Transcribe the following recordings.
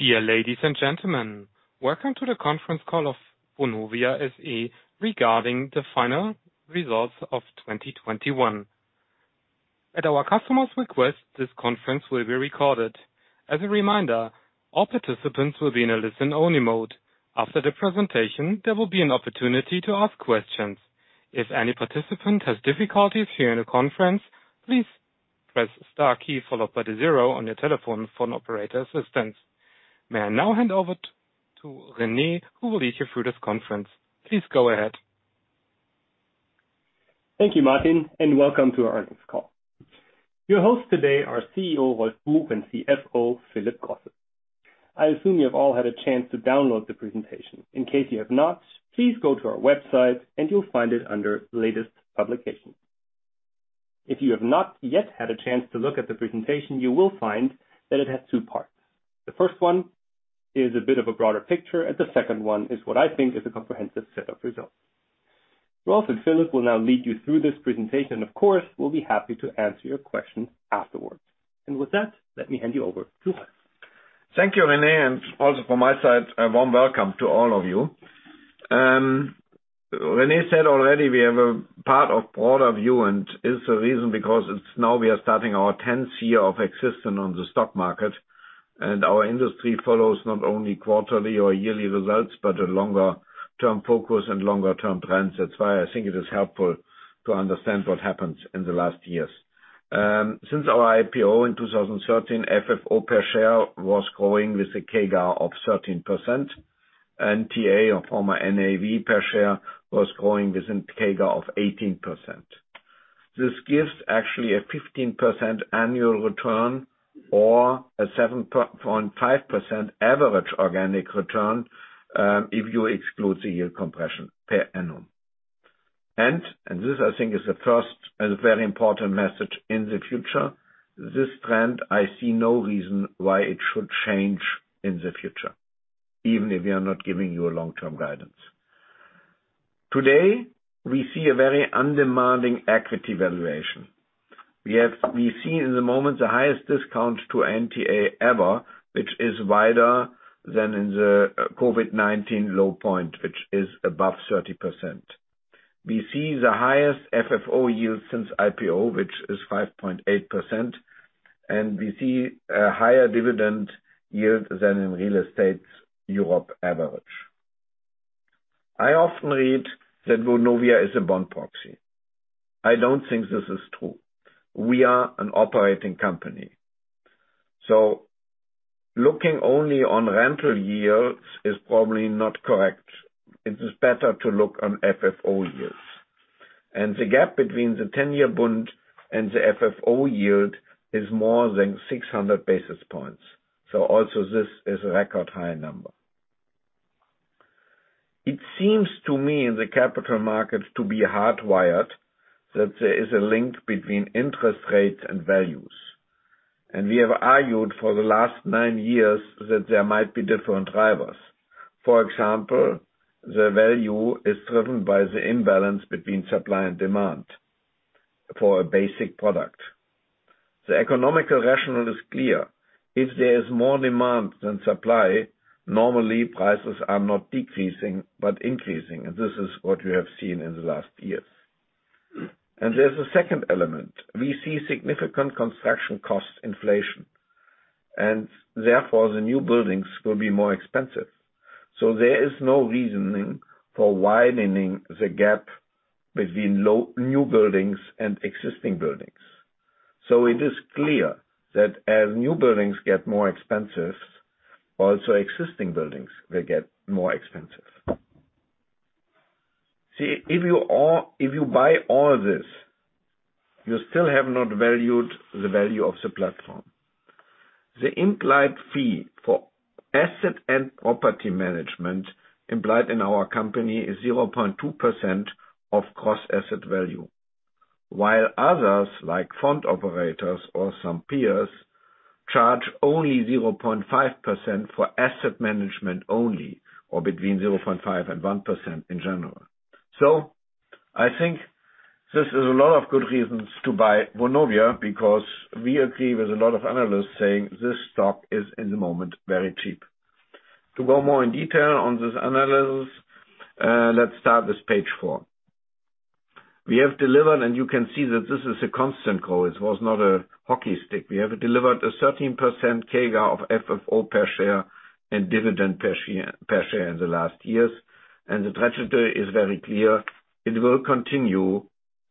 Dear ladies and gentlemen, welcome to the conference call of Vonovia SE regarding the final results of 2021. At our customer's request, this conference will be recorded. As a reminder, all participants will be in a listen-only mode. After the presentation, there will be an opportunity to ask questions. If any participant has difficulties hearing the conference, please press star key followed by the zero on your telephone for operator assistance. May I now hand over to Rene, who will lead you through this conference. Please go ahead. Thank you, Martin, and welcome to our earnings call. Your hosts today are CEO Rolf Buch and CFO Philip Grosse. I assume you have all had a chance to download the presentation. In case you have not, please go to our website and you'll find it under Latest Publication. If you have not yet had a chance to look at the presentation, you will find that it has two parts. The first one is a bit of a broader picture, and the second one is what I think is a comprehensive set of results. Rolf and Philip will now lead you through this presentation. Of course, we'll be happy to answer your questions afterwards. With that, let me hand you over to Rolf. Thank you, Rene, and also from my side, a warm welcome to all of you. Rene said already we have a part of broader view, and is the reason because it's now we are starting our 10th year of existence on the stock market, and our industry follows not only quarterly or yearly results, but a longer term focus and longer term trends. That's why I think it is helpful to understand what happens in the last years. Since our IPO in 2013, FFO per share was growing with a CAGR of 13%. NTA or former NAV per share was growing with a CAGR of 18%. This gives actually a 15% annual return or a 7.5% average organic return, if you exclude the yield compression per annum. This, I think, is the first and very important message in the future. This trend, I see no reason why it should change in the future, even if we are not giving you a long-term guidance. Today, we see a very undemanding equity valuation. We see at the moment the highest discount to NTA ever, which is wider than in the COVID-19 low point, which is above 30%. We see the highest FFO yield since IPO, which is 5.8%, and we see a higher dividend yield than in real estate Europe average. I often read that Vonovia is a bond proxy. I don't think this is true. We are an operating company. Looking only on rental yields is probably not correct. It is better to look on FFO yields. The gap between the 10-year bond and the FFO yield is more than 600 basis points. This is also a record high number. It seems to me in the capital markets to be hardwired that there is a link between interest rates and values. We have argued for the last nine years that there might be different drivers. For example, the value is driven by the imbalance between supply and demand for a basic product. The economic rationale is clear. If there is more demand than supply, normally prices are not decreasing but increasing, and this is what we have seen in the last years. There's a second element. We see significant construction cost inflation, and therefore the new buildings will be more expensive. There is no reasoning for widening the gap between new buildings and existing buildings. It is clear that as new buildings get more expensive, also existing buildings will get more expensive. See, if you buy all this, you still have not valued the value of the platform. The implied fee for asset and property management implied in our company is 0.2% of cost asset value, while others, like fund operators or some peers, charge only 0.5% for asset management only, or between 0.5% and 1% in general. I think this is a lot of good reasons to buy Vonovia because we agree with a lot of analysts saying this stock is, in the moment, very cheap. To go more in detail on this analysis, let's start with page four. We have delivered, and you can see that this is a constant growth. It was not a hockey stick. We have delivered a 13% CAGR of FFO per share and dividend per share in the last years. The trajectory is very clear. It will continue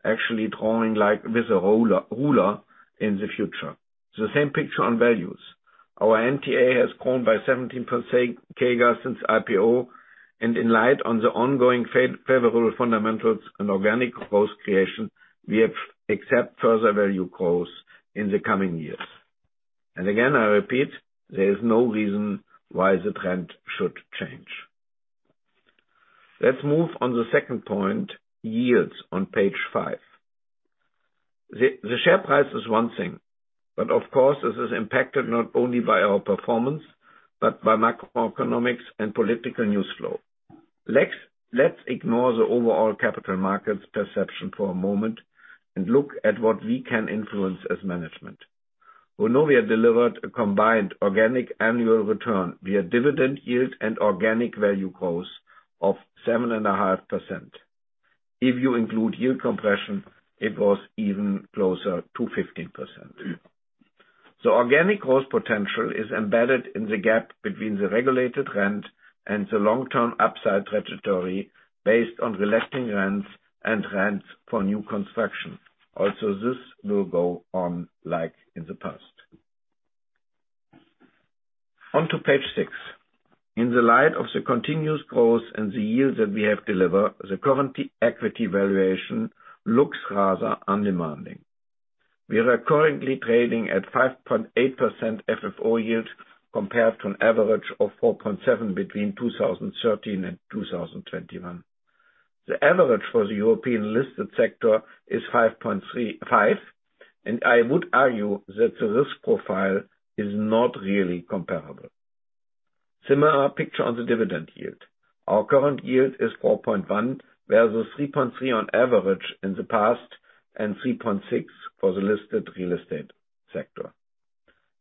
actually drawing like with a ruler in the future. The same picture on values. Our NTA has grown by 17% CAGR since IPO, and in light of the ongoing favorable fundamentals and organic growth creation, we expect further value growth in the coming years. I repeat, there is no reason why the trend should change. Let's move on the second point, yields on page five. The share price is one thing, but of course, this is impacted not only by our performance, but by macroeconomics and political news flow. Let's ignore the overall capital markets perception for a moment and look at what we can influence as management. Vonovia delivered a combined organic annual return via dividend yield and organic value growth of 7.5%. If you include yield compression, it was even closer to 15%. The organic growth potential is embedded in the gap between the regulated rent and the long-term upside trajectory based on releasing rents and rents for new construction. Also, this will go on like in the past. On to page six. In the light of the continuous growth and the yield that we have delivered, the current equity valuation looks rather undemanding. We are currently trading at 5.8% FFO yield compared to an average of 4.7% between 2013 and 2021. The average for the European listed sector is 5.35%, and I would argue that the risk profile is not really comparable. Similar picture on the dividend yield. Our current yield is 4.1% versus 3.3% on average in the past and 3.6% for the listed real estate sector.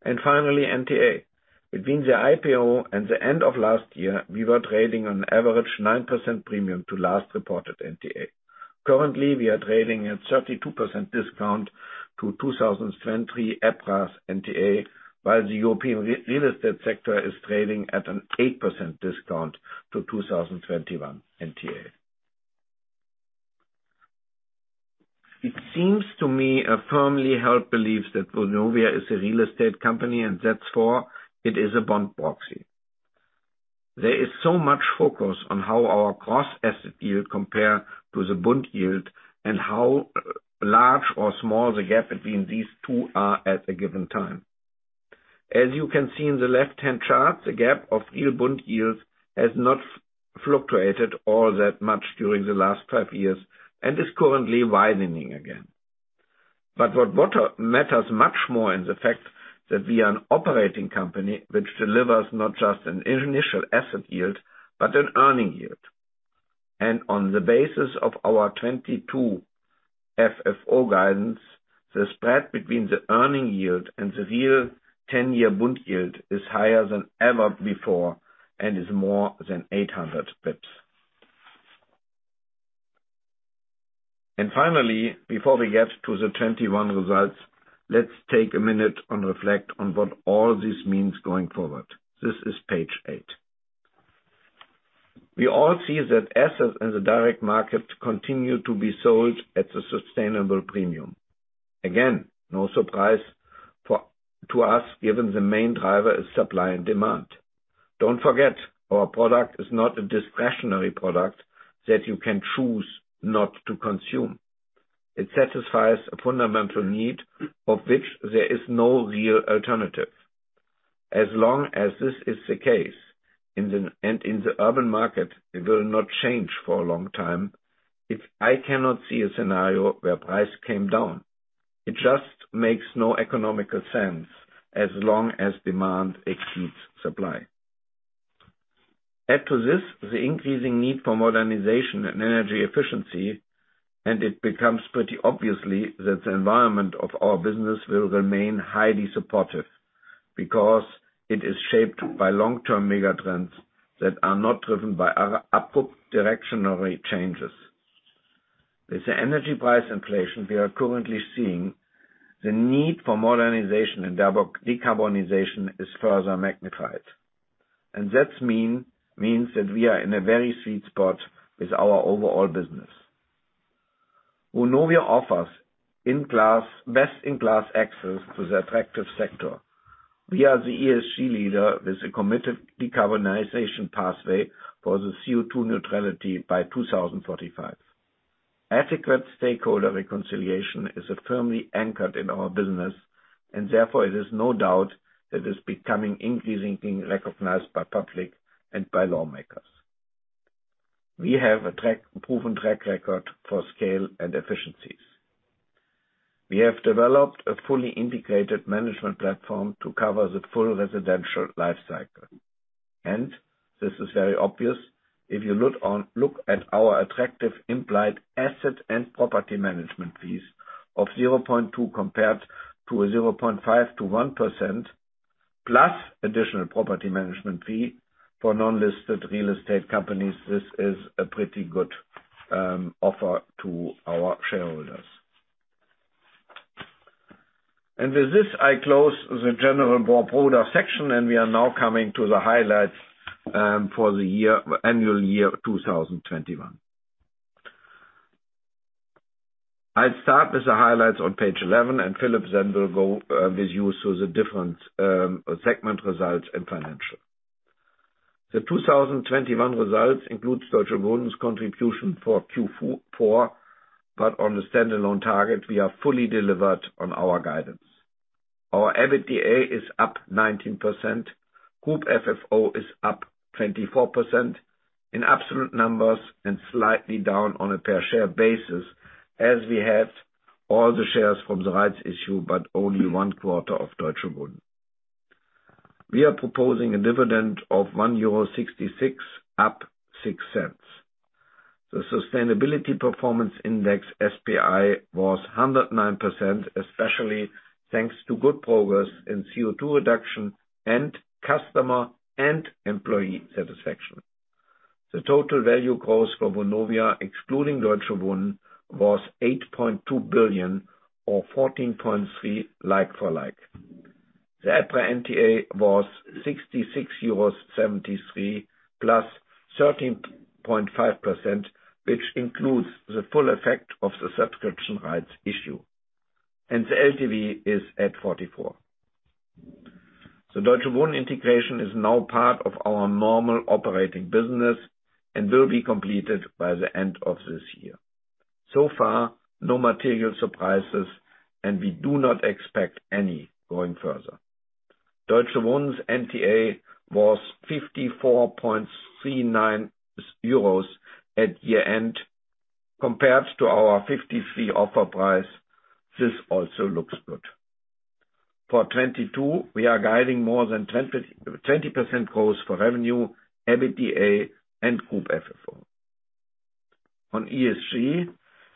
Finally, NTA. Between the IPO and the end of last year, we were trading on average 9% premium to last reported NTA. Currently, we are trading at 32% discount to 2020 EPRA's NTA, while the European real estate sector is trading at an 8% discount to 2021 NTA. It seems to me a firmly held belief that Vonovia is a real estate company, and that's why it is a bond proxy. There is so much focus on how our cross-asset yield compare to the bond yield and how large or small the gap between these two are at a given time. As you can see in the left-hand chart, the gap of real bond yields has not fluctuated all that much during the last five years and is currently widening again. What matters much more is the fact that we are an operating company which delivers not just an initial asset yield, but an earnings yield. On the basis of our 2022 FFO guidance, the spread between the earnings yield and the real 10-year bond yield is higher than ever before and is more than 800 basis points. Finally, before we get to the 2021 results, let's take a minute and reflect on what all this means going forward. This is page eight. We all see that assets in the direct market continue to be sold at a sustainable premium. Again, no surprise to us, given the main driver is supply and demand. Don't forget, our product is not a discretionary product that you can choose not to consume. It satisfies a fundamental need of which there is no real alternative. As long as this is the case, in the urban market, it will not change for a long time. I cannot see a scenario where price came down. It just makes no economic sense as long as demand exceeds supply. Add to this, the increasing need for modernization and energy efficiency, and it becomes pretty obvious that the environment of our business will remain highly supportive because it is shaped by long-term megatrends that are not driven by other cyclical changes. With the energy price inflation we are currently seeing, the need for modernization and decarbonization is further magnified. That means that we are in a very sweet spot with our overall business. Vonovia offers best-in-class access to the attractive sector. We are the ESG leader with a committed decarbonization pathway for CO2 neutrality by 2045. Adequate stakeholder reconciliation is firmly anchored in our business, and therefore, there is no doubt that it is becoming increasingly recognized by the public and by lawmakers. We have a proven track record for scale and efficiencies. We have developed a fully integrated management platform to cover the full residential life cycle. This is very obvious if you look at our attractive implied asset and property management fees of 0.2% compared to 0.5%-1%, plus additional property management fee for non-listed real estate companies. This is a pretty good offer to our shareholders. With this, I close the general broader section, and we are now coming to the highlights for the year, annual year 2021. I'll start with the highlights on page 11, and Philip then will go with you so the different segment results and financial. The 2021 results includes Deutsche Wohnen's contribution for Q4, but on a standalone target, we have fully delivered on our guidance. Our EBITDA is up 19%. Group FFO is up 24% in absolute numbers and slightly down on a per share basis as we had all the shares from the rights issue, but only one quarter of Deutsche Wohnen. We are proposing a dividend of 1.66 euro, up 0.6. The Sustainability Performance Index, SPI, was 109%, especially thanks to good progress in CO2 reduction and customer and employee satisfaction. The total value cost for Vonovia, excluding Deutsche Wohnen, was 8.2 billion, or 14.3% like-for-like. The EPRA NTA was 66.73 euros, +13.5%, which includes the full effect of the subscription rights issue. The LTV is at 44%. The Deutsche Wohnen Integration is now part of our normal operating business and will be completed by the end of this year. So far, no material surprises, and we do not expect any going further. Deutsche Wohnen's NTA was 54.39 euros at year-end compared to our 53 offer price. This also looks good. For 2022, we are guiding more than 20% growth for revenue, EBITDA, and group FFO. On ESG,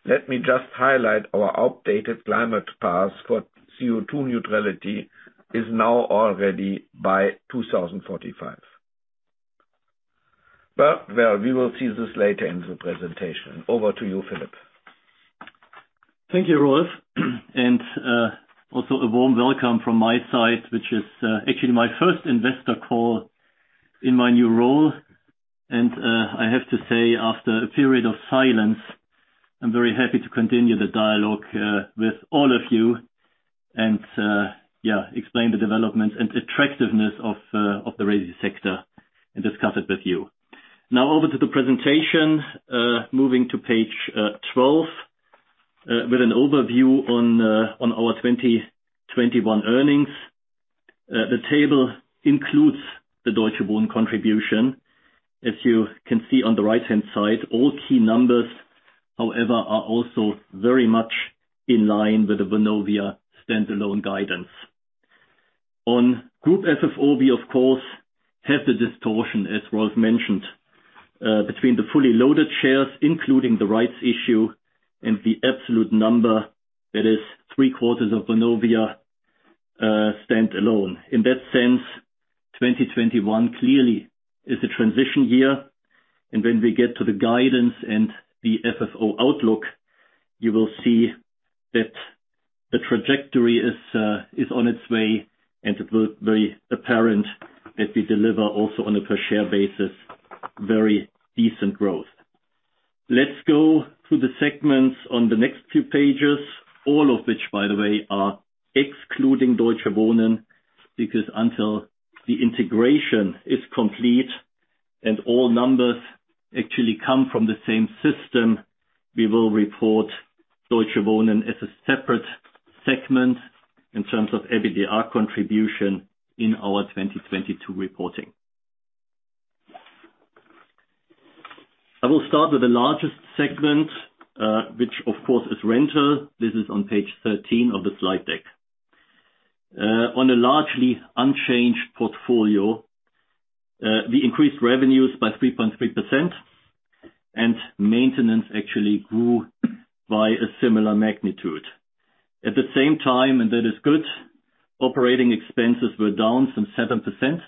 let me just highlight our updated climate path for CO2 neutrality is now already by 2045. Well, we will see this later in the presentation. Over to you, Philip. Thank you, Rolf. Also a warm welcome from my side, which is actually my first investor call in my new role. I have to say, after a period of silence, I'm very happy to continue the dialogue with all of you and yeah, explain the developments and attractiveness of the resi sector and discuss it with you. Now, over to the presentation, moving to page 12 with an overview on our 2021 earnings. The table includes the Deutsche Wohnen contribution. As you can see on the right-hand side, all key numbers, however, are also very much in line with the Vonovia standalone guidance. On group FFO, we of course have the distortion, as Rolf mentioned, between the fully loaded shares, including the rights issue and the absolute number, that is three-quarters of Vonovia standalone. In that sense, 2021 clearly is a transition year, and when we get to the guidance and the FFO outlook, you will see that the trajectory is on its way, and it will be apparent that we deliver also on a per share basis, very decent growth. Let's go to the segments on the next few pages, all of which, by the way, are excluding Deutsche Wohnen, because until the integration is complete and all numbers actually come from the same system, we will report Deutsche Wohnen as a separate segment in terms of EBITDA contribution in our 2022 reporting. I will start with the largest segment, which of course is rental. This is on page 13 of the slide deck. On a largely unchanged portfolio, we increased revenues by 3.3%, and maintenance actually grew by a similar magnitude. At the same time, and that is good, operating expenses were down some 7%,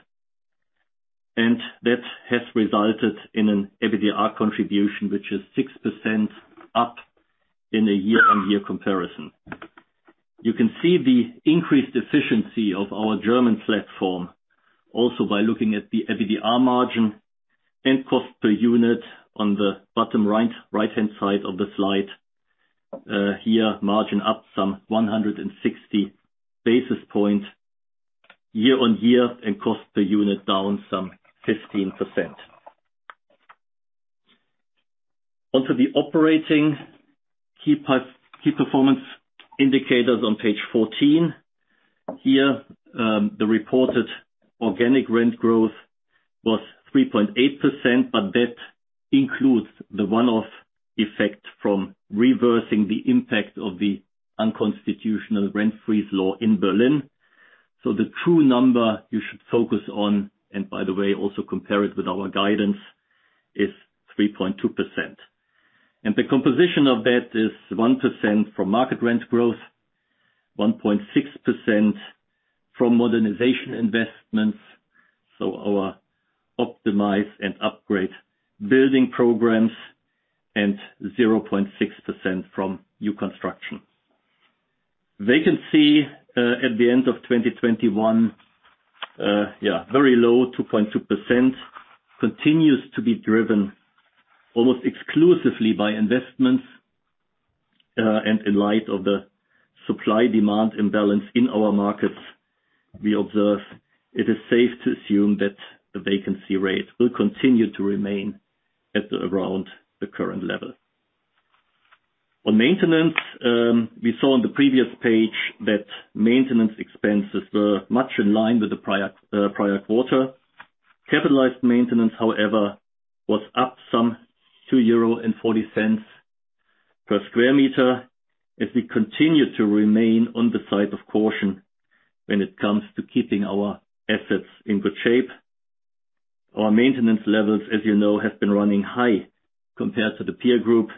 and that has resulted in an EBITDA contribution, which is 6% up in a year-on-year comparison. You can see the increased efficiency of our German platform also by looking at the EBITDA margin and cost per unit on the bottom right-hand side of the slide. Here, margin up some 160 basis points year-on-year and cost per unit down some 15%. On to the operating key performance indicators on page 14. Here, the reported organic rent growth was 3.8%, but that includes the one-off effect from reversing the impact of the unconstitutional rent-freeze law in Berlin. The true number you should focus on, and by the way, also compare it with our guidance, is 3.2%. The composition of that is 1% from market rent growth, 1.6% from modernization investments, so our optimize and upgrade building programs, and 0.6% from new construction. Vacancy at the end of 2021, very low, 2.2%, continues to be driven almost exclusively by investments, and in light of the supply-demand imbalance in our markets we observe, it is safe to assume that the vacancy rate will continue to remain at around the current level. On maintenance, we saw on the previous page that maintenance expenses were much in line with the prior quarter. Capitalized maintenance, however, was up some 2.40 euro per sq m, as we continue to remain on the side of caution when it comes to keeping our assets in good shape. Our maintenance levels, as you know, have been running high compared to the peer group,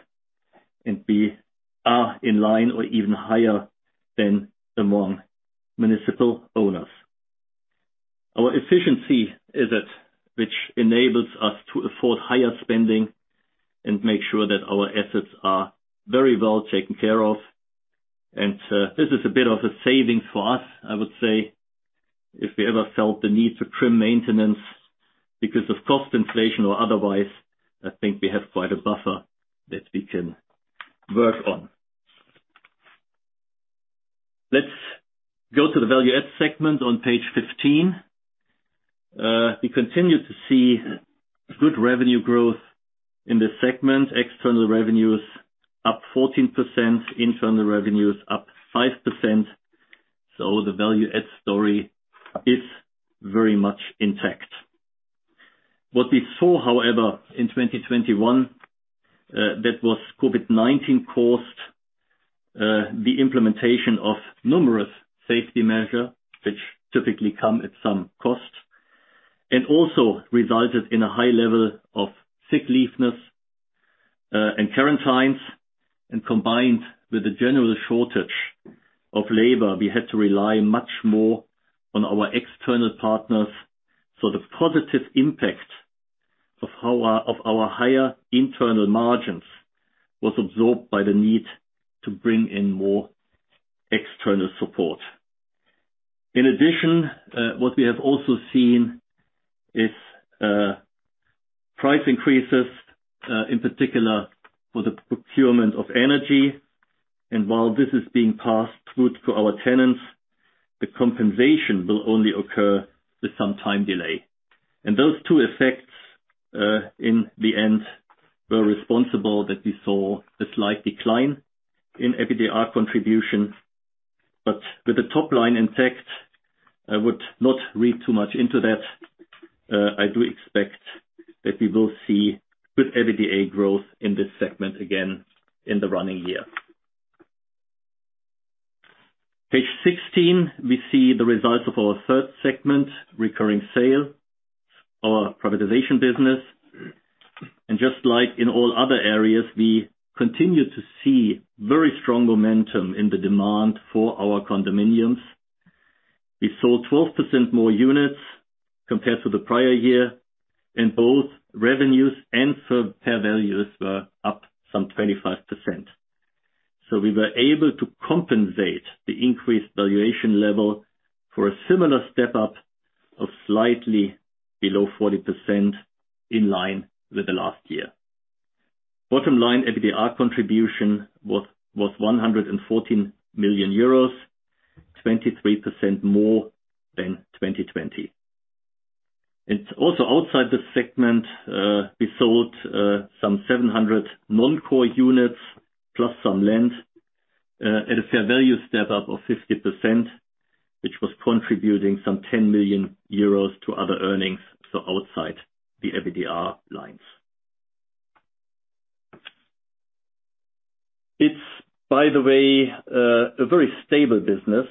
and we are in line or even higher than the municipal owners. Our efficiency is key, which enables us to afford higher spending and make sure that our assets are very well taken care of. This is a bit of a saving for us, I would say, if we ever felt the need to trim maintenance because of cost inflation or otherwise, I think we have quite a buffer that we can work on. Let's go to the value add segment on page 15. We continue to see good revenue growth in this segment. External revenue is up 14%, internal revenue is up 5%. The value add story is very much intact. What we saw, however, in 2021 that was COVID-19 caused the implementation of numerous safety measures, which typically come at some cost, and also resulted in a high level of sick leave, illness, and quarantines. Combined with the general shortage of labor, we had to rely much more on our external partners. The positive impact of our higher internal margins was absorbed by the need to bring in more external support. In addition, what we have also seen is price increases, in particular for the procurement of energy. While this is being passed through to our tenants, the compensation will only occur with some time delay. Those two effects, in the end, were responsible that we saw a slight decline in EBITDA contribution. With the top line intact, I would not read too much into that. I do expect that we will see good EBITDA growth in this segment again in the running year. Page 16, we see the results of our third segment, recurring sales, our privatization business. Just like in all other areas, we continue to see very strong momentum in the demand for our condominiums. We sold 12% more units compared to the prior year, and both revenues and fair values were up some 25%. We were able to compensate the increased valuation level for a similar step up of slightly below 40% in line with the last year. Bottom line, EBITDA contribution was 114 million euros, 23% more than 2020. Also outside this segment, we sold some 700 non-core units, plus some land, at a fair value step up of 50%, which was contributing 10 million euros to other earnings, so outside the EBITDA lines. It's, by the way, a very stable business.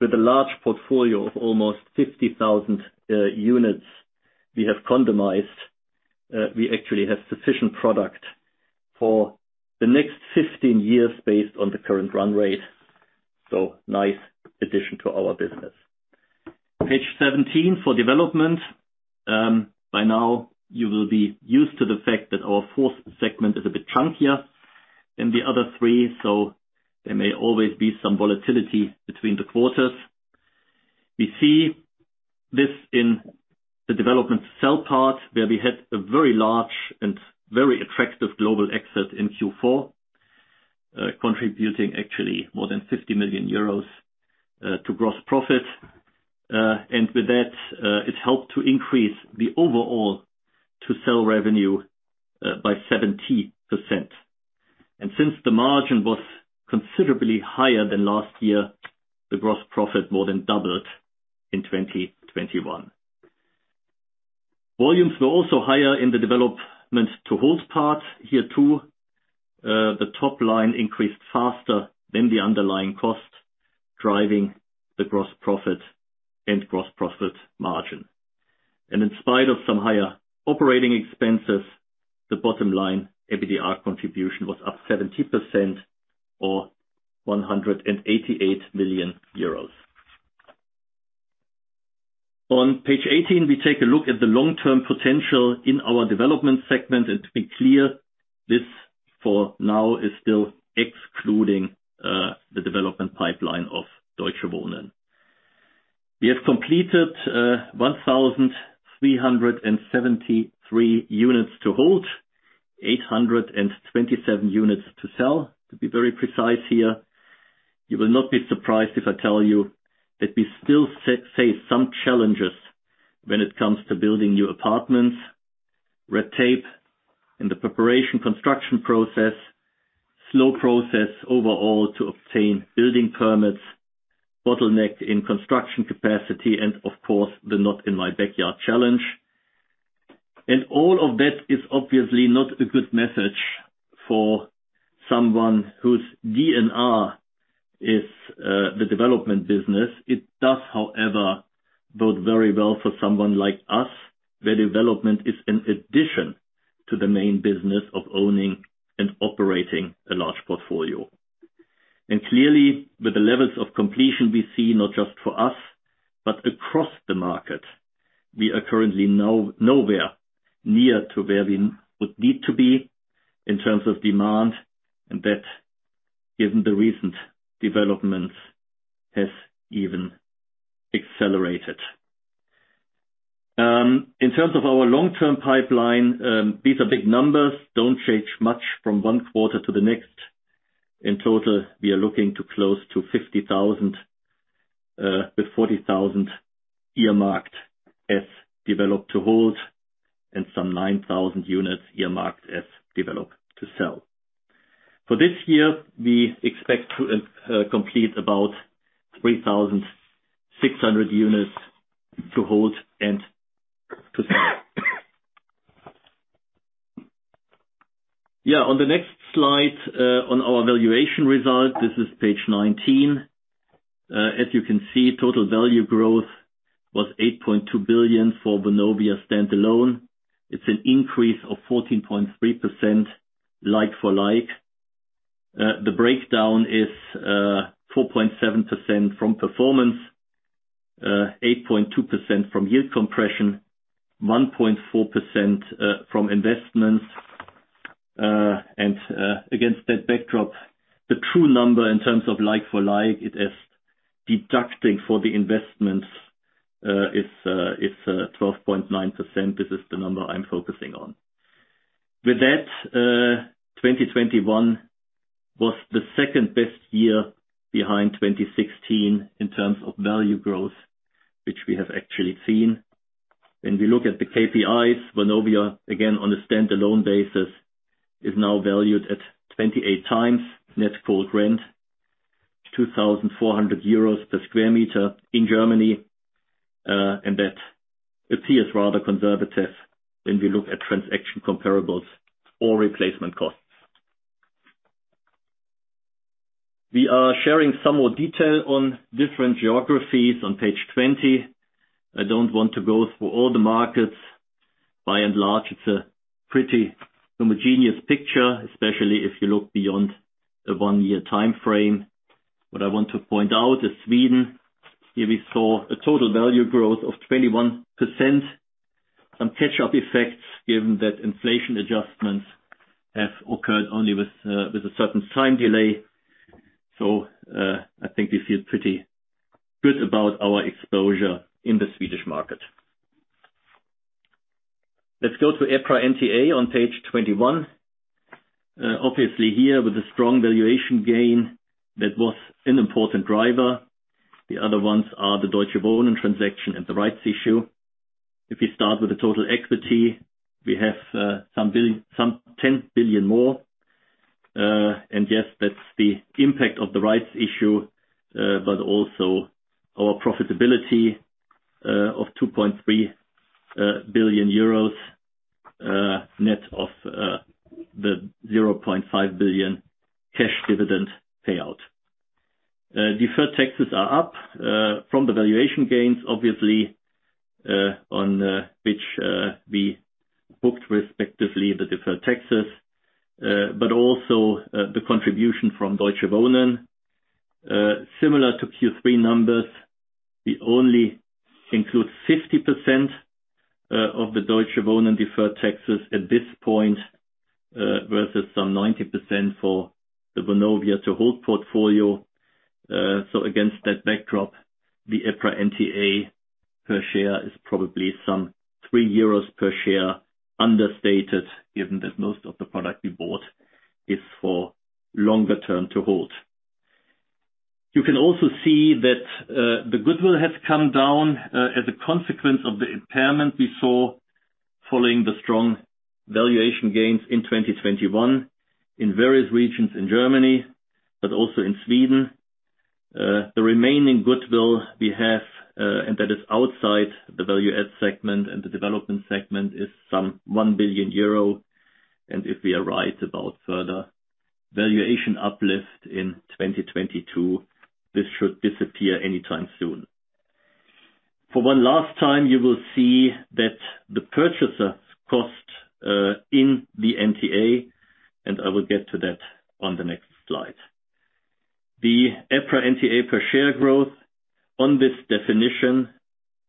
With a large portfolio of almost 50,000 units we have condominiumized. We actually have sufficient product for the next 15 years based on the current run rate. Nice addition to our business. Page 17 for development. By now, you will be used to the fact that our fourth segment is a bit chunkier than the other three, so there may always be some volatility between the quarters. We see this in the develop to sell part, where we had a very large and very attractive block exit in Q4, contributing actually more than 50 million euros to gross profit. With that, it helped to increase the overall develop to sell revenue by 70%. Since the margin was considerably higher than last year, the gross profit more than doubled in 2021. Volumes were also higher in the develop to hold part. Here too, the top line increased faster than the underlying cost, driving the gross profit and gross profit margin. In spite of some higher operating expenses, the bottom line, EBITDA contribution was up 70% or EUR 188 million. On page 18, we take a look at the long-term potential in our development segment. To be clear, this for now is still excluding the development pipeline of Deutsche Wohnen. We have completed 1,373 units to hold, 827 units to sell. To be very precise here, you will not be surprised if I tell you that we still face some challenges when it comes to building new apartments. Red tape in the preparation construction process. Slow process overall to obtain building permits, bottlenecked in construction capacity and of course, the not in my backyard challenge. All of that is obviously not a good message for someone whose DNA is the development business. It does, however, bode very well for someone like us, where development is an addition to the main business of owning and operating a large portfolio. Clearly, with the levels of completion we see not just for us, but across the market, we are currently now nowhere near to where we would need to be in terms of demand. That, given the recent developments, has even accelerated. In terms of our long-term pipeline, these are big numbers. Don't change much from one quarter to the next. In total, we are looking to close to 50,000, with 40,000 earmarked as develop to hold and some 9,000 units earmarked as develop to sell. For this year, we expect to complete about 3,600 units to hold and to sell. On the next slide, on our valuation result. This is page 19. As you can see, total value growth was 8.2 billion for Vonovia standalone. It's an increase of 14.3% like for like. The breakdown is 4.7% from performance, 8.2% from yield compression, 1.4% from investments. Against that backdrop, the true number in terms of like for like is, after deducting for the investments, 12.9%. This is the number I'm focusing on. With that, 2021 was the second-best year behind 2016 in terms of value growth, which we have actually seen. When we look at the KPIs, Vonovia, again, on a standalone basis, is now valued at 28x net cold rent, 2,400 euros per sq m in Germany. That appears rather conservative when we look at transaction comparables or replacement costs. We are sharing some more details on different geographies on page 20. I don't want to go through all the markets. By and large, it's a pretty homogeneous picture, especially if you look beyond a one-year timeframe. What I want to point out is Sweden. Here we saw a total value growth of 21%. Some catch-up effects given that inflation adjustments have occurred only with a certain time delay. I think we feel pretty good about our exposure in the Swedish market. Let's go to EPRA NTA on page 21. Obviously here with a strong valuation gain that was an important driver. The other ones are the Deutsche Wohnen transaction and the rights issue. If you start with the total equity, we have some 10 billion more. Yes, that's the impact of the rights issue, but also our profitability of 2.3 billion euros, net of the 0.5 billion cash dividend payout. Deferred taxes are up from the valuation gains, obviously, on which we booked respectively the deferred taxes, but also the contribution from Deutsche Wohnen. Similar to Q3 numbers, we only include 50% of the Deutsche Wohnen deferred taxes at this point, versus some 90% for the Vonovia to hold portfolio. Against that backdrop, the EPRA NTA per share is probably some 3 euros per share understated, given that most of the product we bought is for longer term to hold. You can also see that, the goodwill has come down, as a consequence of the impairment we saw following the strong valuation gains in 2021 in various regions in Germany, but also in Sweden. The remaining goodwill we have, and that is outside the value add segment and the development segment, is some 1 billion euro. If we are right about further valuation uplift in 2022, this should disappear anytime soon. For one last time, you will see that the purchase cost, in the NTA, and I will get to that on the next slide. The EPRA NTA per share growth on this definition,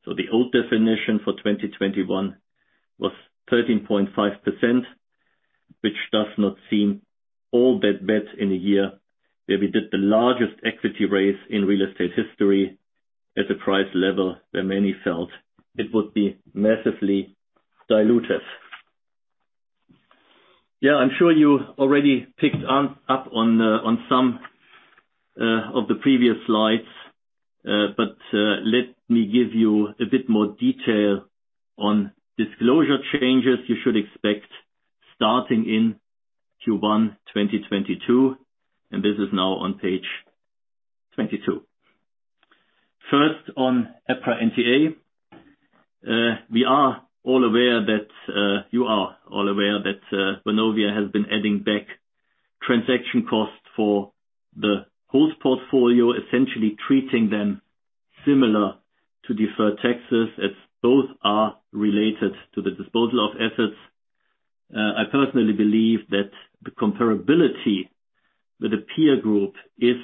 so the old definition for 2021 was 13.5%, which does not seem all that bad in a year where we did the largest equity raise in real estate history at a price level where many felt it would be massively dilutive. Yeah, I'm sure you already picked up on some of the previous slides, but let me give you a bit more detail on disclosure changes you should expect starting in Q1 2022, and this is now on page 22. First, on EPRA NTA. You are all aware that Vonovia has been adding back transaction costs for the historic portfolio, essentially treating them similar to deferred taxes, as both are related to the disposal of assets. I personally believe that the comparability with the peer group is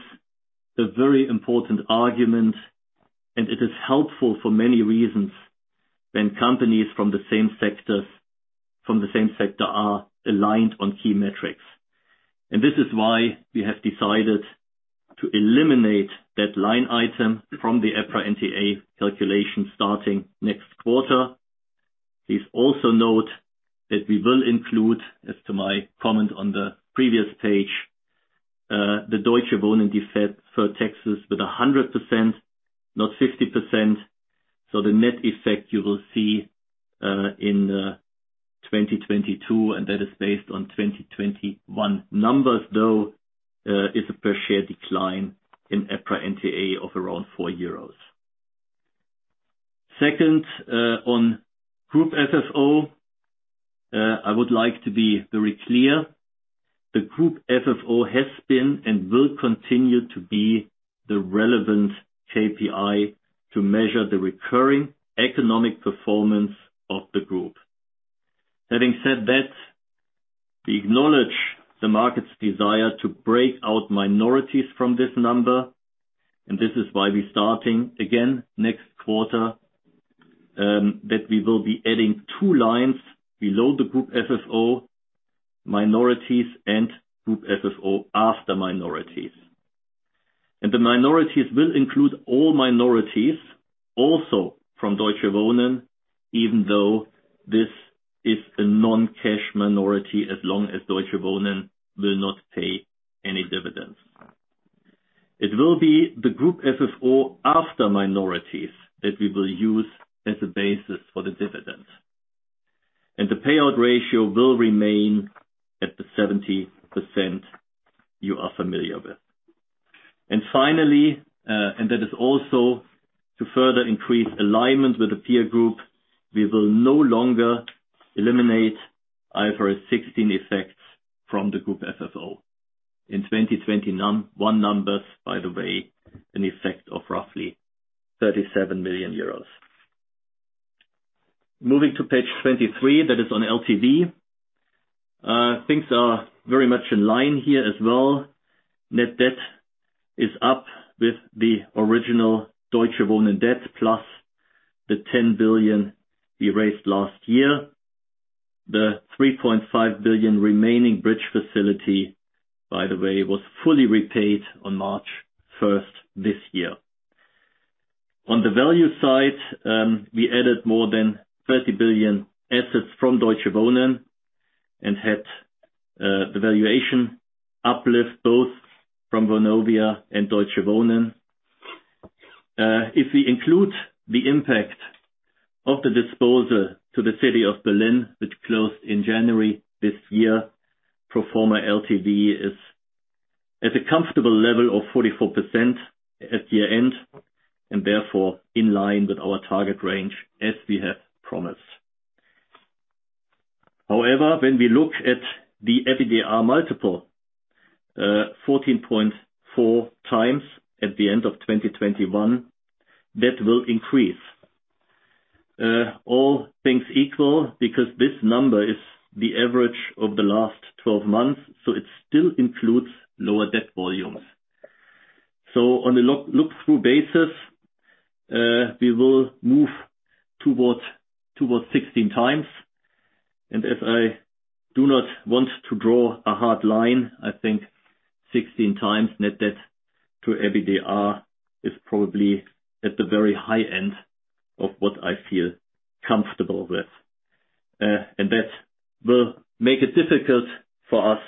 a very important argument, and it is helpful for many reasons when companies from the same sector are aligned on key metrics. This is why we have decided to eliminate that line item from the EPRA NTA calculation starting next quarter. Please also note that we will include, as to my comment on the previous page, the Deutsche Wohnen deferred taxes with 100%, not 50%. The net effect you will see in 2022, and that is based on 2021 numbers, though, is a per share decline in EPRA NTA of around EUR 4. Second, on group FFO, I would like to be very clear. The Group FFO has been and will continue to be the relevant KPI to measure the recurring economic performance of the group. Having said that, we acknowledge the market's desire to break out minorities from this number, and this is why we're starting again next quarter that we will be adding two lines below the Group FFO, minorities and Group FFO after minorities. The minorities will include all minorities, also from Deutsche Wohnen, even though this is a non-cash minority as long as Deutsche Wohnen will not pay any dividends. It will be the Group FFO after minorities that we will use as a basis for the dividends. The payout ratio will remain at the 70% you are familiar with. Finally, and that is also to further increase alignment with the peer group. We will no longer eliminate IFRS 16 effects from the group FFO. In 2021 numbers, by the way, an effect of roughly 37 million euros. Moving to page 23, that is on LTV. Things are very much in line here as well. Net debt is up with the original Deutsche Wohnen debt, plus the 10 billion we raised last year. The 3.5 billion remaining bridge facility, by the way, was fully repaid on March 1st this year. On the value side, we added more than 30 billion assets from Deutsche Wohnen and had the valuation uplift both from Vonovia and Deutsche Wohnen. If we include the impact of the disposal to the city of Berlin, which closed in January this year, pro forma LTV is at a comfortable level of 44% at year-end, and therefore in line with our target range as we have promised. However, when we look at the EBITDAR multiple, 14.4x at the end of 2021, that will increase. All things equal, because this number is the average of the last 12 months, so it still includes lower debt volumes. On a look-through basis, we will move towards 16x. I do not want to draw a hard line, I think 16x net debt to EBITDAR is probably at the very high end of what I feel comfortable with. That will make it difficult for us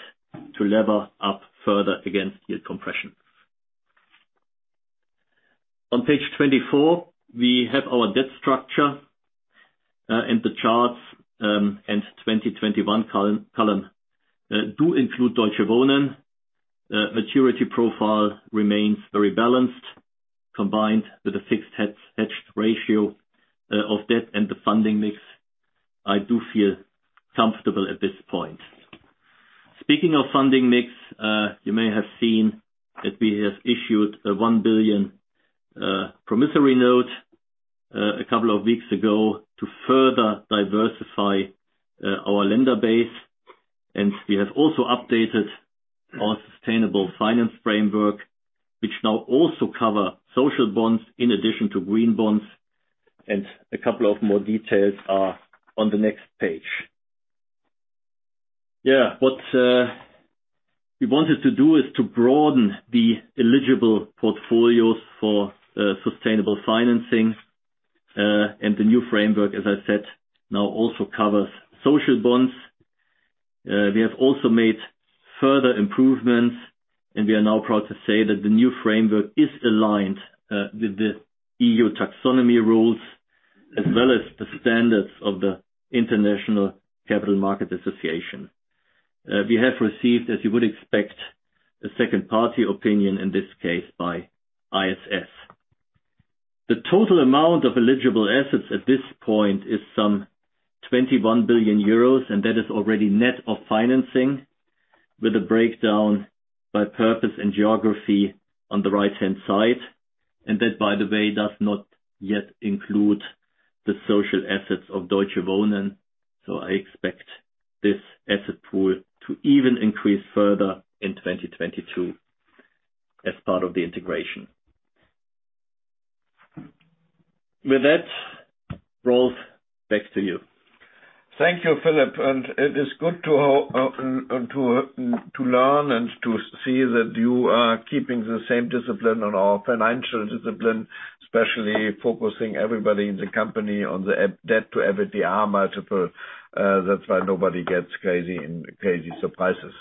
to lever up further against yield compression. On page 24, we have our debt structure and the charts, and 2021 column do include Deutsche Wohnen. Maturity profile remains very balanced, combined with a fixed hedged ratio of debt and the funding mix. I do feel comfortable at this point. Speaking of funding mix, you may have seen that we have issued a 1 billion promissory note a couple of weeks ago to further diversify our lender base. We have also updated our sustainable finance framework, which now also cover social bonds in addition to green bonds, and a couple of more details are on the next page. Yeah. What we wanted to do is to broaden the eligible portfolios for sustainable financing. The new framework, as I said, now also covers social bonds. We have also made further improvements, and we are now proud to say that the new framework is aligned with the EU Taxonomy rules as well as the standards of the International Capital Market Association. We have received, as you would expect, a second party opinion, in this case, by ISS. The total amount of eligible assets at this point is some 21 billion euros, and that is already net of financing with a breakdown by purpose and geography on the right-hand side. That, by the way, does not yet include the social assets of Deutsche Wohnen, so I expect this asset pool to even increase further in 2022 as part of the integration. With that, Rolf, back to you. Thank you, Philip. It is good to learn and to see that you are keeping the same discipline on our financial discipline, especially focusing everybody in the company on the net debt to EBITDAR multiple. That's why nobody gets crazy surprises.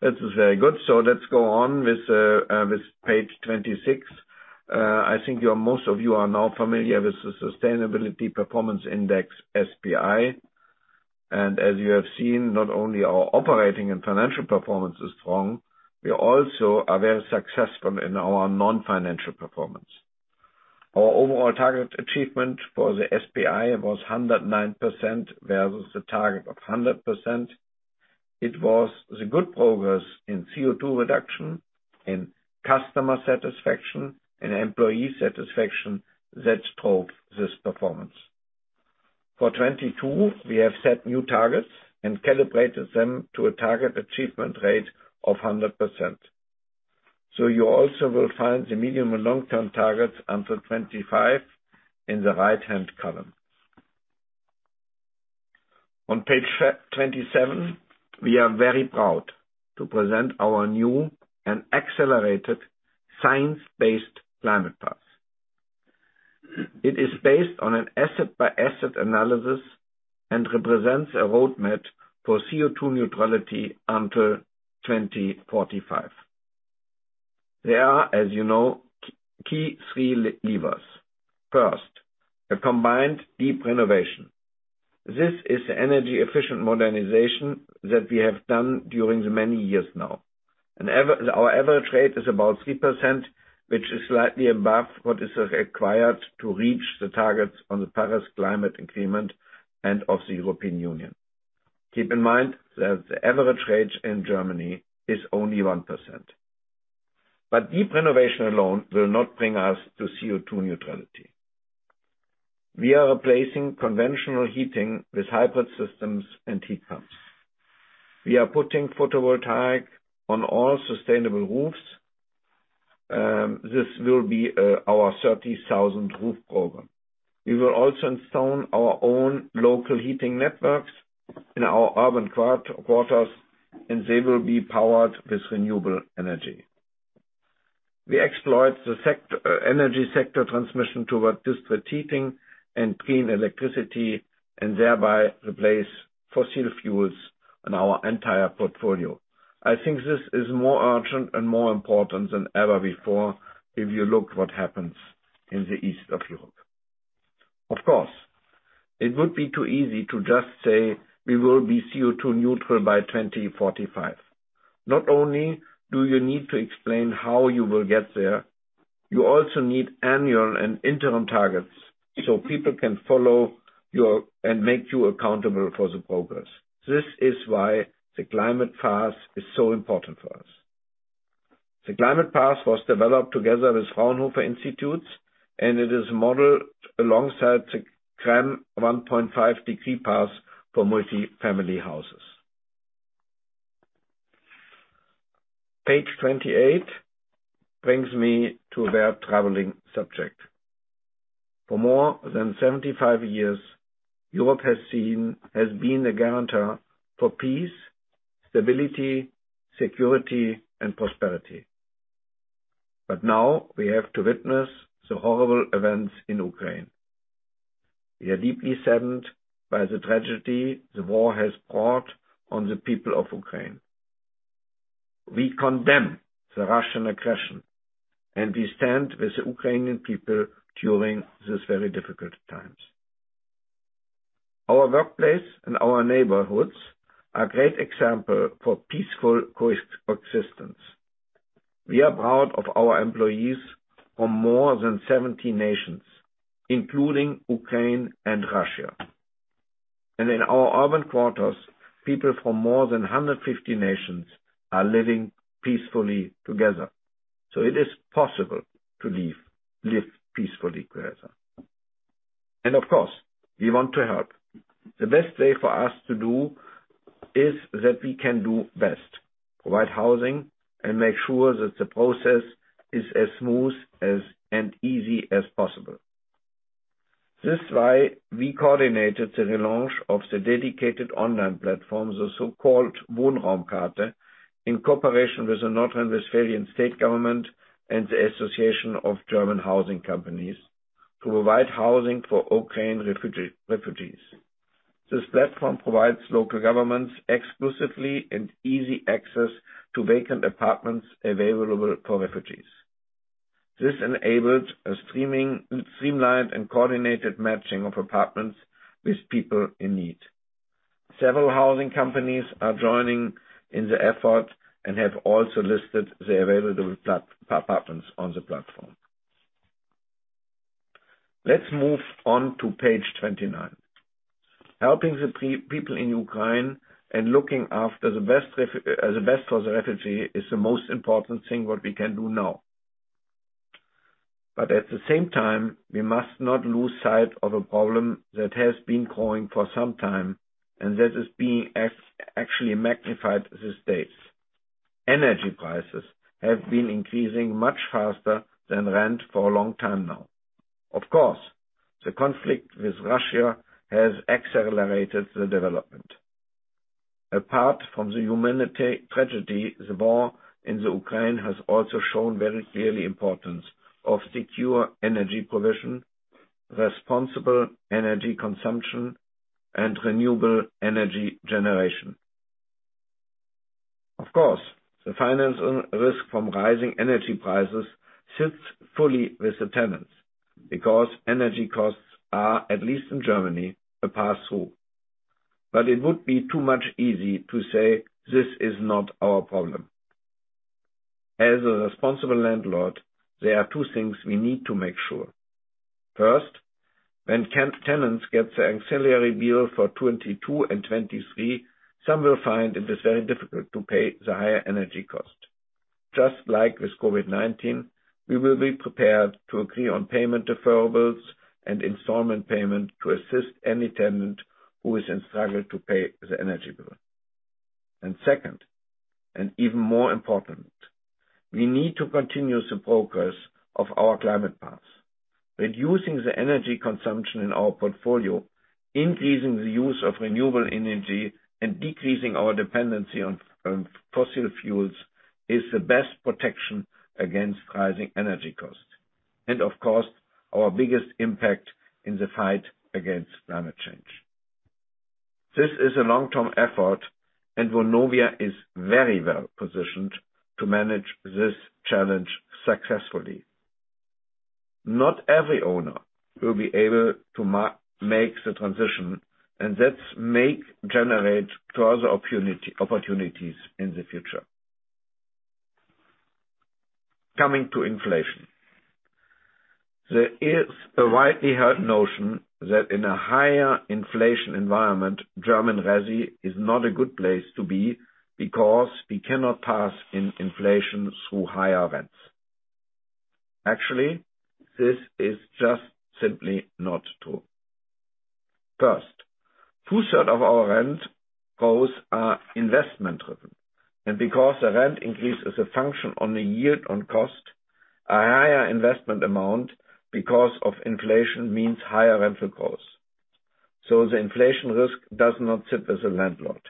Let's go on with page 26. I think most of you are now familiar with the Sustainability Performance Index, SPI. As you have seen, not only our operating and financial performance is strong, we also are very successful in our non-financial performance. Our overall target achievement for the SPI was 109% versus the target of 100%. It was the good progress in CO2 reduction, in customer satisfaction and employee satisfaction that drove this performance. For 2022, we have set new targets and calibrated them to a target achievement rate of 100%. You also will find the medium- and long-term targets until 2025 in the right-hand column. On page 27, we are very proud to present our new and accelerated science-based climate path. It is based on an asset-by-asset analysis and represents a roadmap for CO2 neutrality until 2045. There are, as you know, three key levers. First, a combined deep renovation. This is energy-efficient modernization that we have done during the many years now. Our average rate is about 3%, which is slightly above what is required to reach the targets on the Paris Climate Agreement and of the European Union. Keep in mind that the average rate in Germany is only 1%. Deep renovation alone will not bring us to CO2 neutrality. We are replacing conventional heating with hybrid systems and heat pumps. We are putting photovoltaic on all sustainable roofs. This will be our 30,000 roof program. We will also install our own local heating networks in our urban quarters, and they will be powered with renewable energy. We exploit the energy sector transmission towards district heating and clean electricity, and thereby replace fossil fuels in our entire portfolio. I think this is more urgent and more important than ever before, if you look what happens in the east of Europe. Of course, it would be too easy to just say we will be CO2 neutral by 2045. Not only do you need to explain how you will get there, you also need annual and interim targets so people can follow your, and make you accountable for the progress. This is why the climate path is so important for us. The climate path was developed together with Fraunhofer Institutes, and it is modeled alongside the CRREM 1.5 degree path for multifamily houses. Page 28 brings me to a very troubling subject. For more than 75 years, Europe has been a guarantor for peace, stability, security, and prosperity. Now we have to witness the horrible events in Ukraine. We are deeply saddened by the tragedy the war has brought on the people of Ukraine. We condemn the Russian aggression, and we stand with the Ukrainian people during these very difficult times. Our workplace and our neighborhoods are a great example for peaceful coexistence. We are proud of our employees from more than 70 nations, including Ukraine and Russia. In our urban quarters, people from more than 150 nations are living peacefully together. It is possible to live peacefully together. Of course, we want to help. The best way for us to do is that we can do best, provide housing and make sure that the process is as smooth as, and easy as possible. This is why we coordinated the relaunch of the dedicated online platform, the so-called Wohnraumkarte, in cooperation with the North Rhine-Westphalian state government and the Association of German Housing Companies to provide housing for Ukraine refugees. This platform provides local governments exclusive and easy access to vacant apartments available for refugees. This enabled a streamlined and coordinated matching of apartments with people in need. Several housing companies are joining in the effort and have also listed the available apartments on the platform. Let's move on to page 29. Helping the people in Ukraine and looking after the best for the refugees is the most important thing that we can do now. At the same time, we must not lose sight of a problem that has been growing for some time, and that is actually being magnified these days. Energy prices have been increasing much faster than rent for a long time now. Of course, the conflict with Russia has accelerated the development. Apart from the humanitarian tragedy, the war in Ukraine has also shown very clearly the importance of secure energy provision, responsible energy consumption, and renewable energy generation. Of course, the financial risk from rising energy prices sits fully with the tenants, because energy costs are, at least in Germany, a pass-through. It would be too easy to say this is not our problem. As a responsible landlord, there are two things we need to make sure. First, when tenants get the ancillary bill for 2022 and 2023, some will find it is very difficult to pay the higher energy cost. Just like with COVID-19, we will be prepared to agree on payment deferrals and installment payment to assist any tenant who is struggling to pay the energy bill. Second, and even more important, we need to continue the progress of our climate paths. Reducing the energy consumption in our portfolio, increasing the use of renewable energy, and decreasing our dependency on fossil fuels is the best protection against rising energy costs. Of course, our biggest impact in the fight against climate change. This is a long-term effort, and Vonovia is very well positioned to manage this challenge successfully. Not every owner will be able to make the transition, and that will generate further opportunities in the future. Coming to inflation. There is a widely held notion that in a higher inflation environment, German resi is not a good place to be, because we cannot pass on inflation through higher rents. Actually, this is just simply not true. First, 2/3 of our rent growth are investment driven. Because the rent increase is a function of the yield on cost, a higher investment amount because of inflation means higher rents. The inflation risk does not sit with the landlord.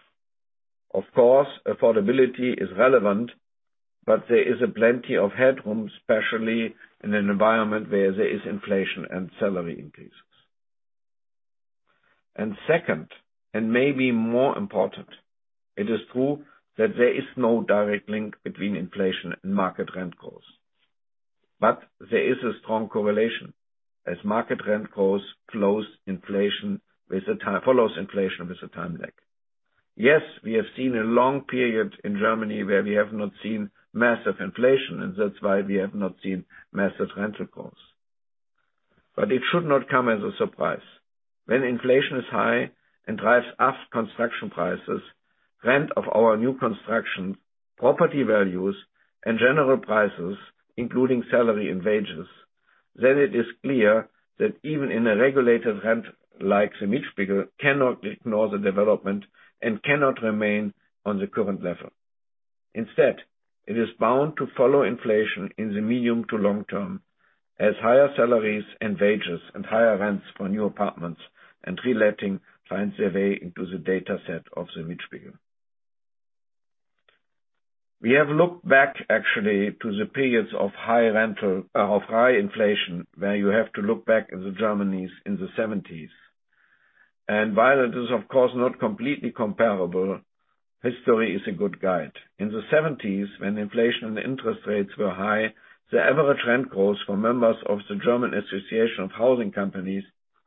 Of course, affordability is relevant, but there is plenty of headroom, especially in an environment where there is inflation and salary increases. Second, and maybe more important, it is true that there is no direct link between inflation and market rent costs. There is a strong correlation, as market rent costs follow inflation with the time lag. Yes, we have seen a long period in Germany where we have not seen massive inflation, and that's why we have not seen massive rental costs. It should not come as a surprise. When inflation is high and drives up construction prices, rents of our new construction, property values, and general prices, including salary and wages, then it is clear that even in a regulated rent like the Mietspiegel cannot ignore the development and cannot remain on the current level. Instead, it is bound to follow inflation in the medium to long term as higher salaries and wages and higher rents for new apartments and reletting finds their way into the data set of the Mietspiegel. We have looked back, actually, to the periods of high inflation, where you have to look back in Germany in the 1970s. While it is of course not completely comparable, history is a good guide. In the 1970s, when inflation and interest rates were high, the average rent growth for members of the German Association of Housing Companies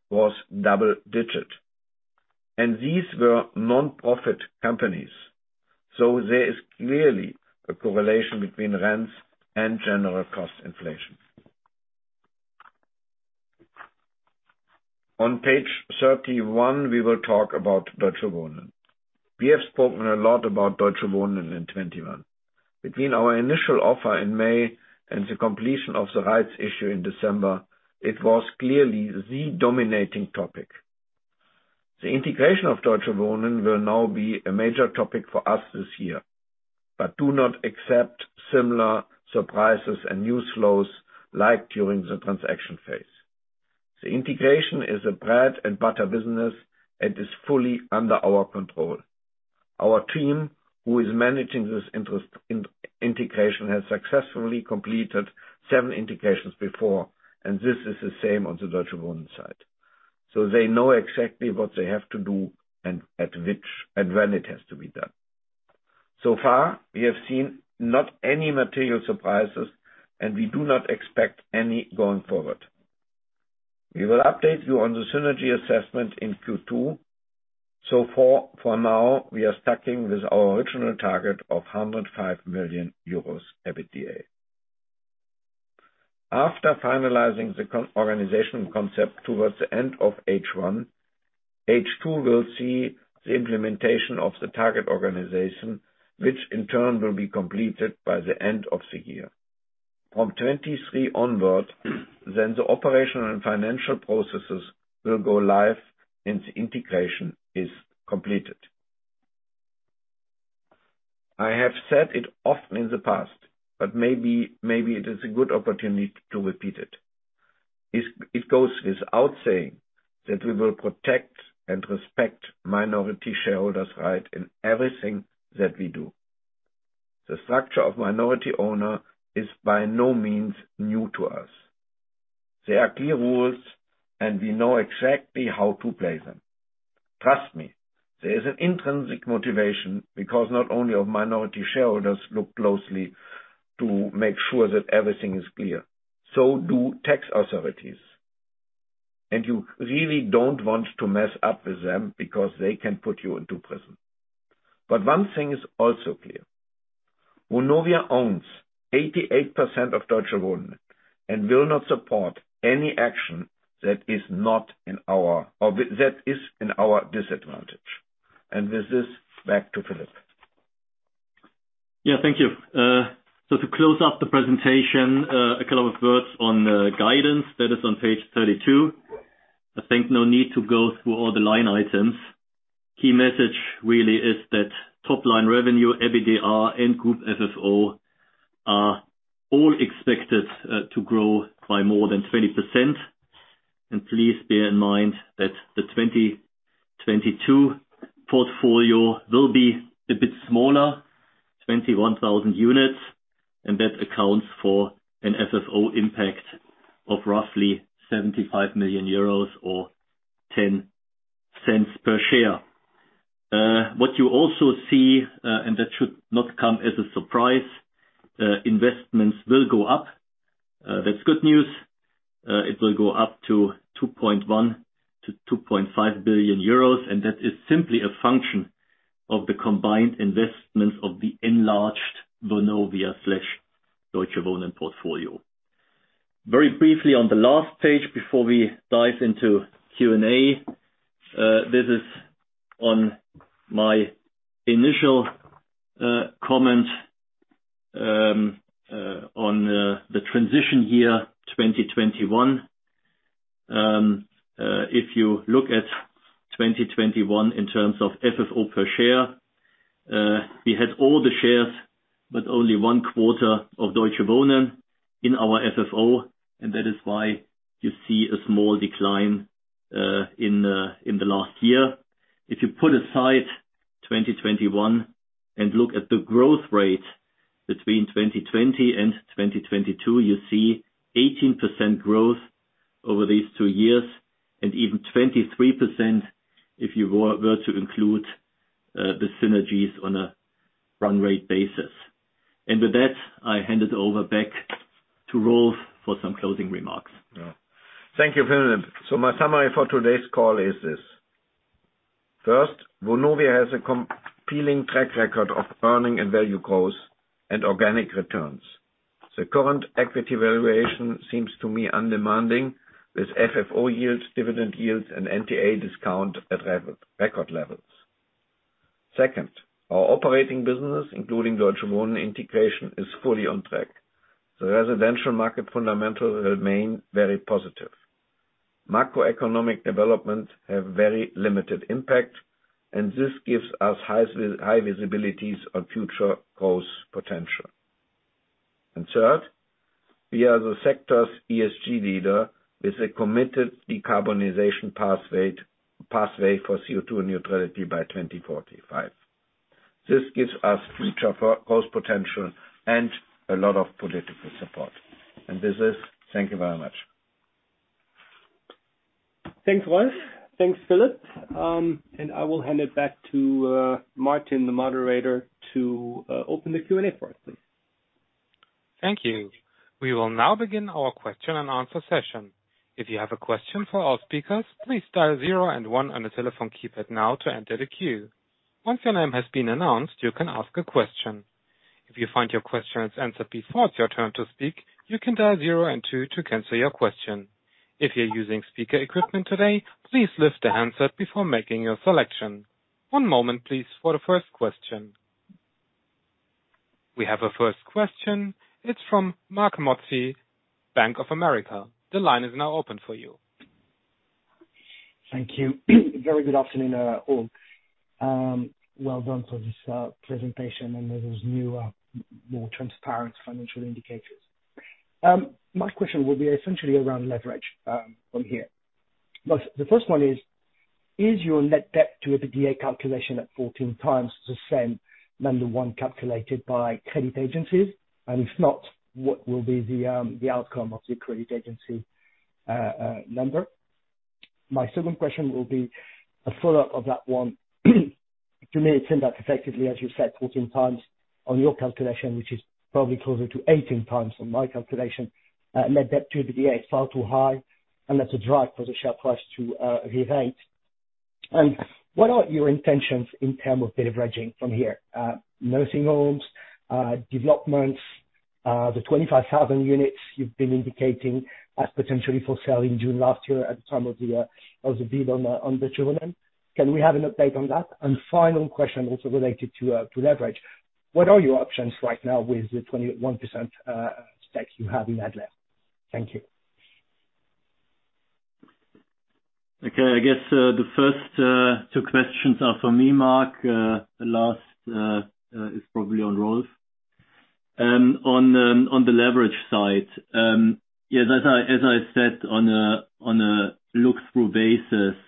was double-digit. These were nonprofit companies. There is clearly a correlation between rents and general cost inflation. On page 31, we will talk about Deutsche Wohnen. We have spoken a lot about Deutsche Wohnen in 2021. Between our initial offer in May and the completion of the rights issue in December, it was clearly the dominating topic. The integration of Deutsche Wohnen will now be a major topic for us this year, but we do not expect similar surprises and news flows like during the transaction phase. The integration is a bread and butter business and is fully under our control. Our team who is managing this integration has successfully completed seven integrations before, and this is the same on the Deutsche Wohnen side. They know exactly what they have to do and when it has to be done. So far, we have not seen any material surprises, and we do not expect any going forward. We will update you on the synergy assessment in Q2. For now, we are sticking with our original target of 105 million euros EBITDA. After finalizing the organization concept towards the end of H1, H2 will see the implementation of the target organization, which in turn will be completed by the end of the year. From 2023 onward, the operational and financial processes will go live, and the integration is completed. I have said it often in the past, but maybe it is a good opportunity to repeat it. It goes without saying that we will protect and respect minority shareholders' rights in everything that we do. The structure of minority ownership is by no means new to us. There are clear rules, and we know exactly how to play them. Trust me, there is an intrinsic motivation because not only do minority shareholders look closely to make sure that everything is clear, so do tax authorities. You really don't want to mess up with them because they can put you into prison. One thing is also clear. Vonovia owns 88% of Deutsche Wohnen and will not support any action that is not in our advantage. With this, back to Philip. Yeah. Thank you. To close up the presentation, a couple of words on guidance. That is on page 32. I think no need to go through all the line items. Key message really is that top line revenue, EBITDA, and group FFO are all expected to grow by more than 20%. Please bear in mind that the 2022 portfolio will be a bit smaller, 21,000 units, and that accounts for an FFO impact of roughly 75 million euros or 0.10 per share. What you also see, and that should not come as a surprise, investments will go up. That's good news. It will go up to 2.1 billion-2.5 billion euros, and that is simply a function of the combined investments of the enlarged Vonovia and Deutsche Wohnen portfolio. Very briefly on the last page before we dive into Q&A. This is on my initial comment on the transition year, 2021. If you look at 2021 in terms of FFO per share, we had all the shares but only one quarter of Deutsche Wohnen in our FFO, and that is why you see a small decline in the last year. If you put aside 2021 and look at the growth rate between 2020 and 2022, you see 18% growth over these two years and even 23% if you were to include the synergies on a run rate basis. With that, I hand it over back to Rolf for some closing remarks. Yeah. Thank you, Philip. My summary for today's call is this. First, Vonovia has a compelling track record of earning and value growth and organic returns. The current equity valuation seems to me undemanding, with FFO yields, dividend yields, and NTA discount at record levels. Second, our operating business, including Deutsche Wohnen integration, is fully on track. The residential market fundamentals remain very positive. Macroeconomic developments have very limited impact, and this gives us high visibilities on future growth potential. Third, we are the sector's ESG leader with a committed decarbonization pathway for CO2 neutrality by 2045. This gives us future growth potential and a lot of political support. With this, thank you very much. Thanks, Rolf. Thanks, Philip. I will hand it back to Martin, the moderator, to open the Q&A for us, please. Thank you. We will now begin our question-and-answer session. If you have a question for our speakers, please dial zero and one on your telephone keypad now to enter the queue. Once your name has been announced, you can ask a question. If you find your question is answered before it's your turn to speak, you can dial zero and two to cancel your question. If you're using speaker equipment today, please lift the handset before making your selection. One moment please for the first question. We have a first question. It's from Marc Mozzi, Bank of America. The line is now open for you. Thank you. Very good afternoon, all. Well done for this presentation and with this new, more transparent financial indicators. My question will be essentially around leverage from here. The first one is your net debt to EBITDA calculation at 14x the same as the one calculated by credit agencies? And if not, what will be the credit agency number? My second question will be a follow-up of that one. To me, it seems like effectively, as you said, 14x on your calculation, which is probably closer to 18x on my calculation, net debt to EBITDA is far too high, and that's a driver for the share price to re-rate. And what are your intentions in terms of de-leveraging from here? Nursing homes, developments, the 25,000 units you've been indicating as potentially for sale in June last year at the time of the bid on Deutsche Wohnen. Can we have an update on that? Final question also related to leverage. What are your options right now with the 21% stakes you have in Adler? Thank you. Okay. I guess the first two questions are for me, Marc. The last is probably on Rolf. On the leverage side, yes, as I said, on a look-through basis,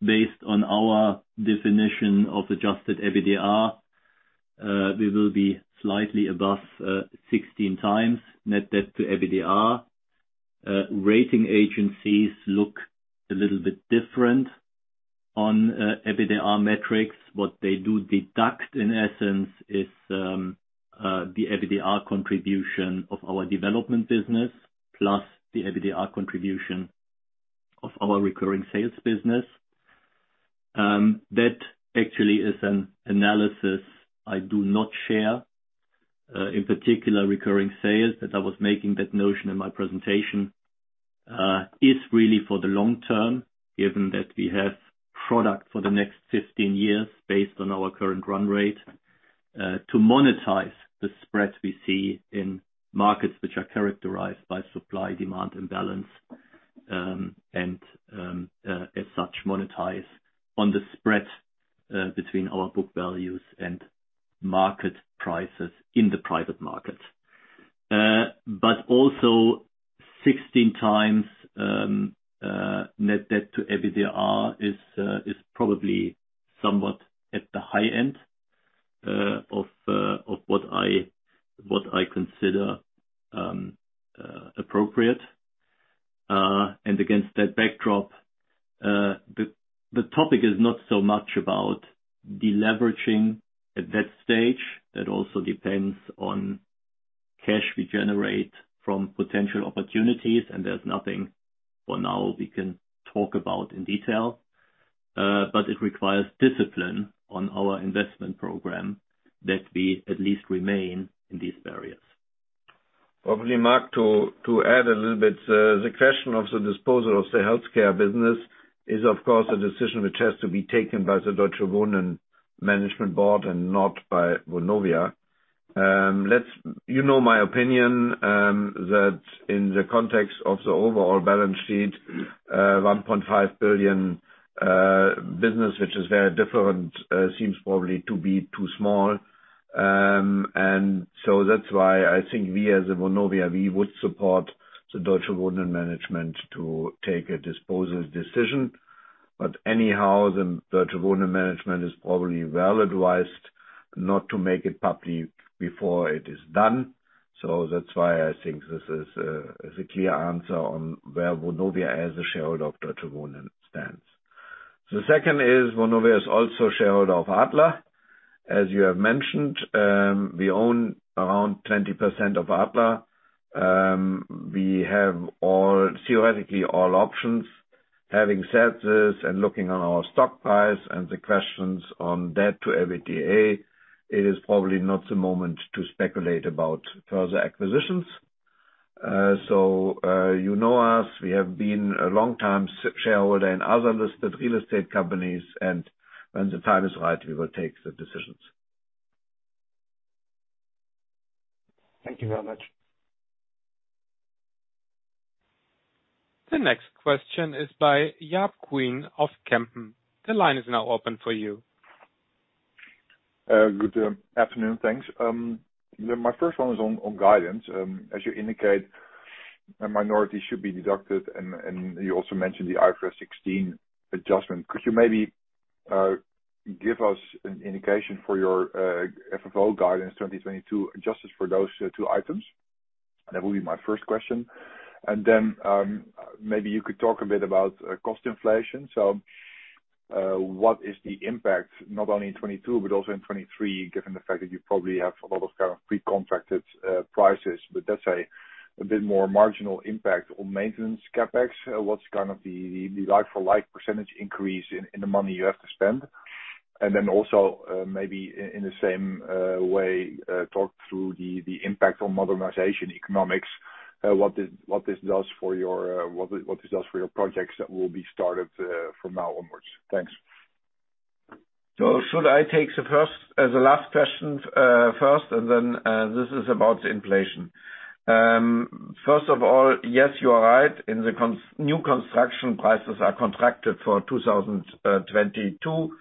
based on our definition of adjusted EBITDA, we will be slightly above 16x net debt to EBITDA. Rating agencies look a little bit different on EBITDA metrics. What they do deduct, in essence, is the EBITDA contribution of our development business, plus the EBITDA contribution of our recurring sales business. That actually is an analysis I do not share. In particular, recurring sales, as I was making that mention in my presentation, is really for the long term, given that we have product for the next 15 years based on our current run rate, to monetize the spreads we see in markets which are characterized by supply, demand and balance. As such, monetize on the spread between our book values and market prices in the private market. But also 16x net debt to EBITDA is probably somewhat at the high end of what I consider appropriate. Against that backdrop, the topic is not so much about deleveraging at that stage. That also depends on cash we generate from potential opportunities, and there's nothing for now we can talk about in detail. It requires discipline on our investment program that we at least remain in these areas. Probably, Marc, to add a little bit. The question of the disposal of the healthcare business is, of course, a decision which has to be taken by the Deutsche Wohnen Management Board and not by Vonovia. You know my opinion, that in the context of the overall balance sheet, 1.5 billion business, which is very different, seems probably to be too small. That's why I think we as Vonovia would support the Deutsche Wohnen Management Board to take a disposal decision. Anyhow, the Deutsche Wohnen Management Board is probably well advised not to make it public before it is done. That's why I think this is a clear answer on where Vonovia as a shareholder of Deutsche Wohnen stands. The second is Vonovia is also shareholder of Adler. As you have mentioned, we own around 20% of Adler. We have all, theoretically all options. Having said this and looking on our stock price and the questions on debt to EBITDA, it is probably not the moment to speculate about further acquisitions. You know us, we have been a long-time shareholder in other listed real estate companies. When the time is right, we will take the decisions. Thank you very much. The next question is by Jaap Kuin of Kempen. The line is now open for you. Good afternoon. Thanks. My first one is on guidance. As you indicate, a minority should be deducted and you also mentioned the IFRS 16 adjustment. Could you maybe give us an indication for your FFO guidance 2022 adjusted for those two items? That will be my first question. Then, maybe you could talk a bit about cost inflation. What is the impact not only in 2022 but also in 2023, given the fact that you probably have a lot of kind of pre-contracted prices, but that's a bit more marginal impact on maintenance CapEx? What's kind of the like for like percentage increase in the money you have to spend? Maybe in the same way, talk through the impact on modernization economics. What this does for your projects that will be started from now onwards. Thanks. Should I take the last question first, and then this is about the inflation. First of all, yes, you are right. In the new construction prices are contracted for 2022.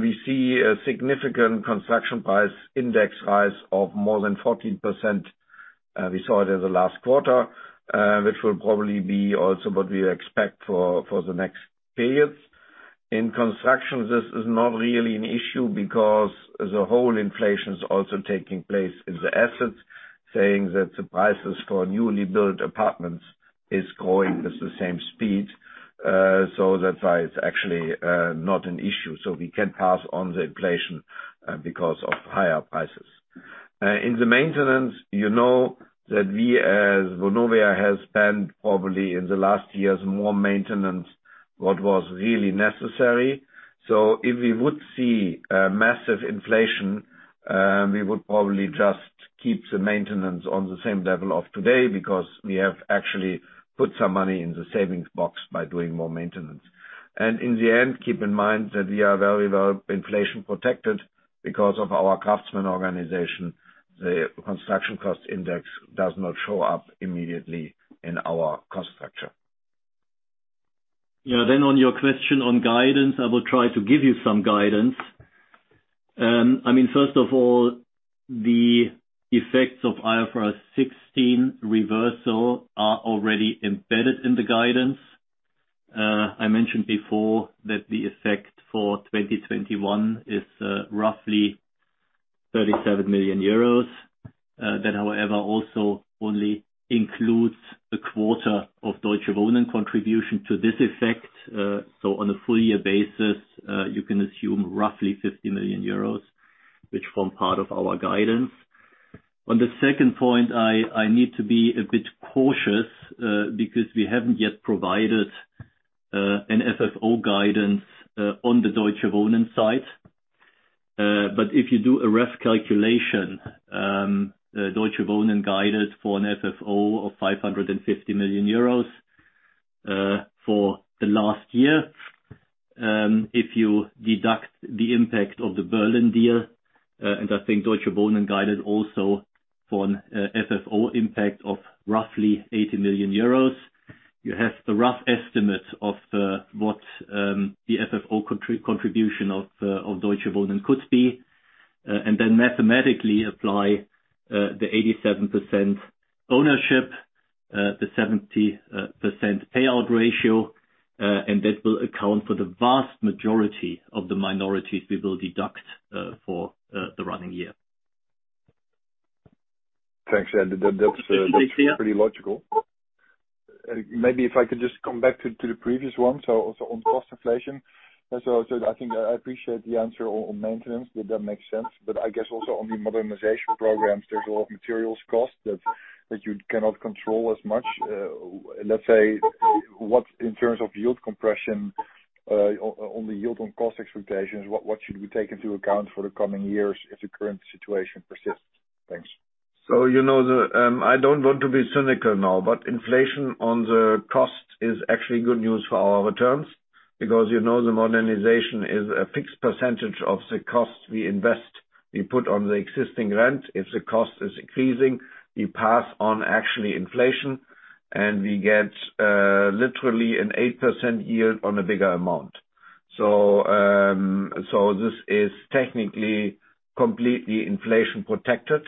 We see a significant construction price index rise of more than 14%. We saw it in the last quarter, which will probably be also what we expect for the next periods. In construction, this is not really an issue because the whole inflation is also taking place in the assets, saying that the prices for newly built apartments is growing with the same speed. That's why it's actually not an issue. We can pass on the inflation because of higher prices. In the maintenance, you know that we as Vonovia have spent probably in the last years more maintenance what was really necessary. If we would see massive inflation, we would probably just keep the maintenance on the same level of today because we have actually put some money in the savings box by doing more maintenance. In the end, keep in mind that we are very well inflation protected because of our craftsmen organization. The construction cost index does not show up immediately in our cost structure. Yeah. On your question on guidance, I will try to give you some guidance. I mean, first of all, the effects of IFRS 16 reversal are already embedded in the guidance. I mentioned before that the effect for 2021 is roughly 37 million euros. That however also only includes a quarter of Deutsche Wohnen contribution to this effect. So on a full year basis you can assume roughly 50 million euros, which form part of our guidance. On the second point, I need to be a bit cautious because we haven't yet provided an FFO guidance on the Deutsche Wohnen side. But if you do a rough calculation, Deutsche Wohnen guided for an FFO of 550 million euros for the last year. If you deduct the impact of the Berlin deal, and I think Deutsche Wohnen guided also for an FFO impact of roughly 80 million euros. You have a rough estimate of what the FFO contribution of Deutsche Wohnen could be, and then mathematically apply the 87% ownership, the 70% payout ratio, and that will account for the vast majority of the minorities we will deduct for the running year. Thanks. Yeah. That's pretty logical. Maybe if I could just come back to the previous one, so on cost inflation. I think I appreciate the answer on maintenance. That makes sense. But I guess also on the modernization programs, there's a lot of materials costs that you cannot control as much. Let's say what in terms of yield compression, on the yield on cost expectations, what should we take into account for the coming years if the current situation persists? Thanks. You know, I don't want to be cynical now, but inflation on the cost is actually good news for our returns because you know the modernization is a fixed percentage of the cost we invest. We put on the existing rent. If the cost is increasing, we pass on actually inflation, and we get, literally an 8% yield on a bigger amount. This is technically completely inflation protected,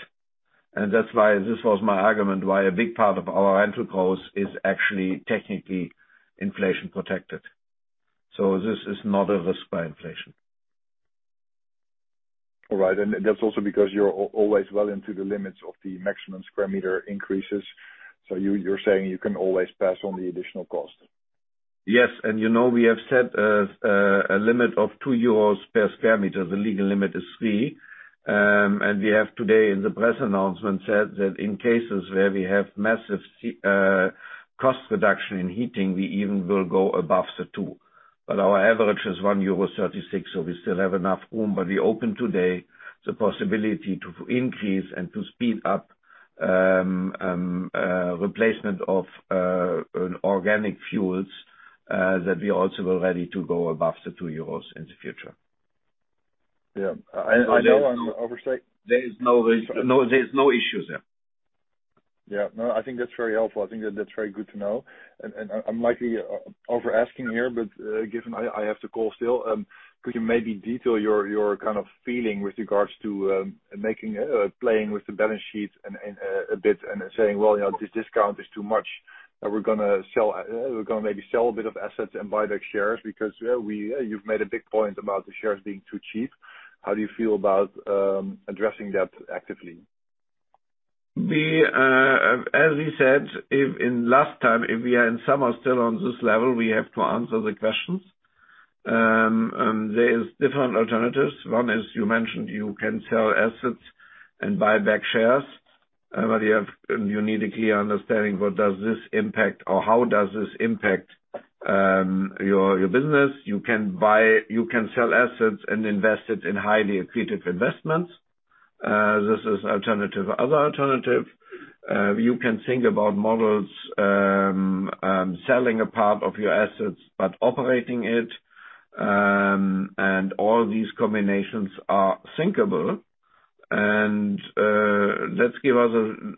and that's why this was my argument why a big part of our rental cost is actually technically inflation protected. This is not a risk by inflation. All right. That's also because you're always well into the limits of the maximum sq m increases. You're saying you can always pass on the additional cost. Yes. You know, we have set a limit of 2 euros per sq m. The legal limit is 3. We have today in the press announcement said that in cases where we have massive cost reduction in heating, we even will go above the 2. Our average is 1.36 euro, so we still have enough room. We open today the possibility to increase and to speed up replacement of organic fuels that we also were ready to go above 2 euros in the future. Yeah. There is no issue there. Yeah. No, I think that's very helpful. I think that's very good to know. I'm likely over asking here, but given I have to call still, could you maybe detail your kind of feeling with regards to maybe playing with the balance sheet and a bit and saying, "Well, you know, this discount is too much. We're gonna maybe sell a bit of assets and buy back shares." Because, yeah, You've made a big point about the shares being too cheap. How do you feel about addressing that actively? We, as we said, as in last time, if we are in summer still on this level, we have to answer the questions. There is different alternatives. One, as you mentioned, you can sell assets and buy back shares. You need a clear understanding what does this impact or how does this impact your business. You can sell assets and invest it in highly accretive investments. This is alternative. Other alternative, you can think about models, selling a part of your assets but operating it. All these combinations are thinkable. Let's give us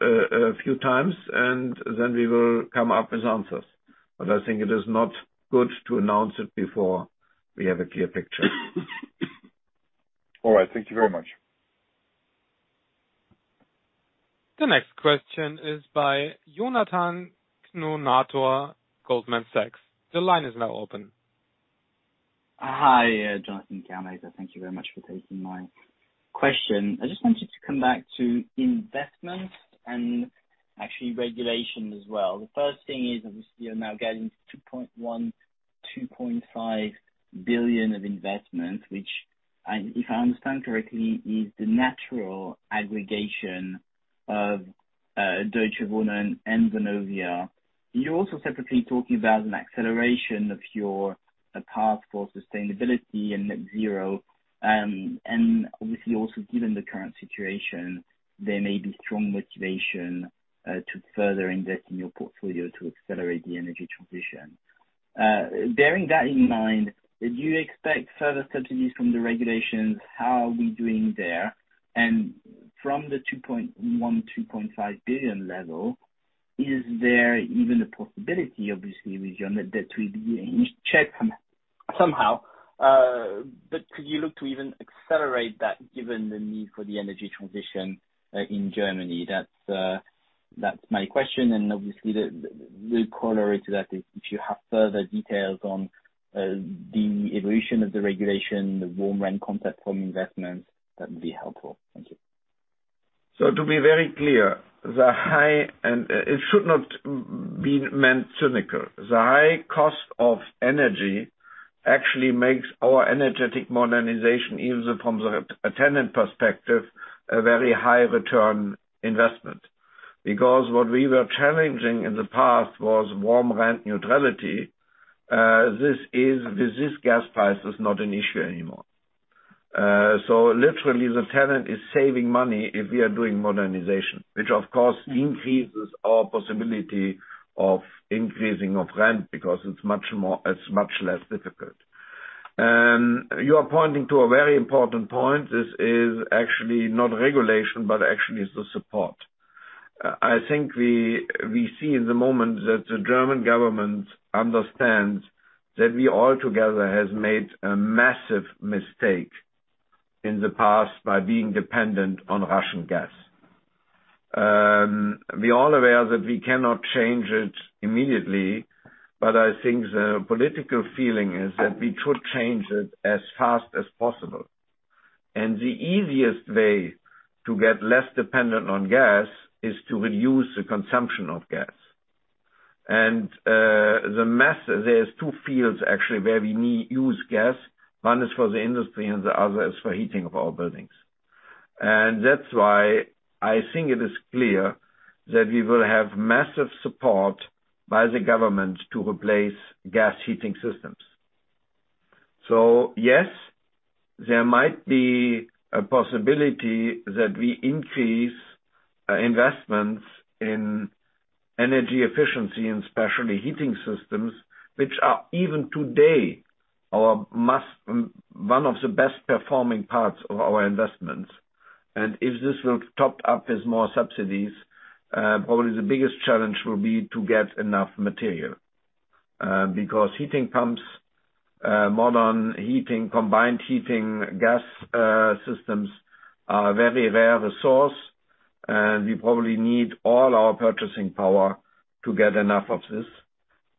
a few times, and then we will come up with answers. I think it is not good to announce it before we have a clear picture. All right. Thank you very much. The next question is by Jonathan Kownator, Goldman Sachs. The line is now open. Hi, Jonathan Kownator. Thank you very much for taking my question. I just wanted to come back to investments and actually regulation as well. The first thing is, obviously, you're now getting 2.1 billion-2.5 billion of investment, which, if I understand correctly, is the natural aggregation of Deutsche Wohnen and Vonovia. You're also separately talking about an acceleration of your path for sustainability and net zero. Obviously also given the current situation, there may be strong motivation to further invest in your portfolio to accelerate the energy transition. Bearing that in mind, did you expect further subsidies from the regulations? How are we doing there? From the 2.1 billion-2.5 billion level, is there even a possibility, obviously with your net debt will be in check somehow, but could you look to even accelerate that given the need for the energy transition in Germany? That's my question. Obviously the corollary to that is if you have further details on the evolution of the regulation, the warm rent concept from investments, that would be helpful. Thank you. To be very clear, the high cost of energy actually makes our energy modernization, even from a tenant perspective, a very high return investment. It should not be meant cynical. Because what we were challenging in the past was warm rent neutrality. This gas price is not an issue anymore. Literally the tenant is saving money if we are doing modernization, which of course increases our possibility of increasing of rent because it's much less difficult. You are pointing to a very important point. This is actually not regulation, but actually the support. I think we see at the moment that the German government understands that we all together has made a massive mistake in the past by being dependent on Russian gas. We are aware that we cannot change it immediately, but I think the political feeling is that we should change it as fast as possible. The easiest way to get less dependent on gas is to reduce the consumption of gas. There's two fields actually where we use gas. One is for the industry and the other is for heating of our buildings. That's why I think it is clear that we will have massive support by the government to replace gas heating systems. Yes, there might be a possibility that we increase investments in energy efficiency and especially heating systems, which are even today one of the best performing parts of our investments. If this is topped up with more subsidies, probably the biggest challenge will be to get enough material, because heat pumps, modern heating, combined heating gas systems are a very rare resource, and we probably need all our purchasing power to get enough of this.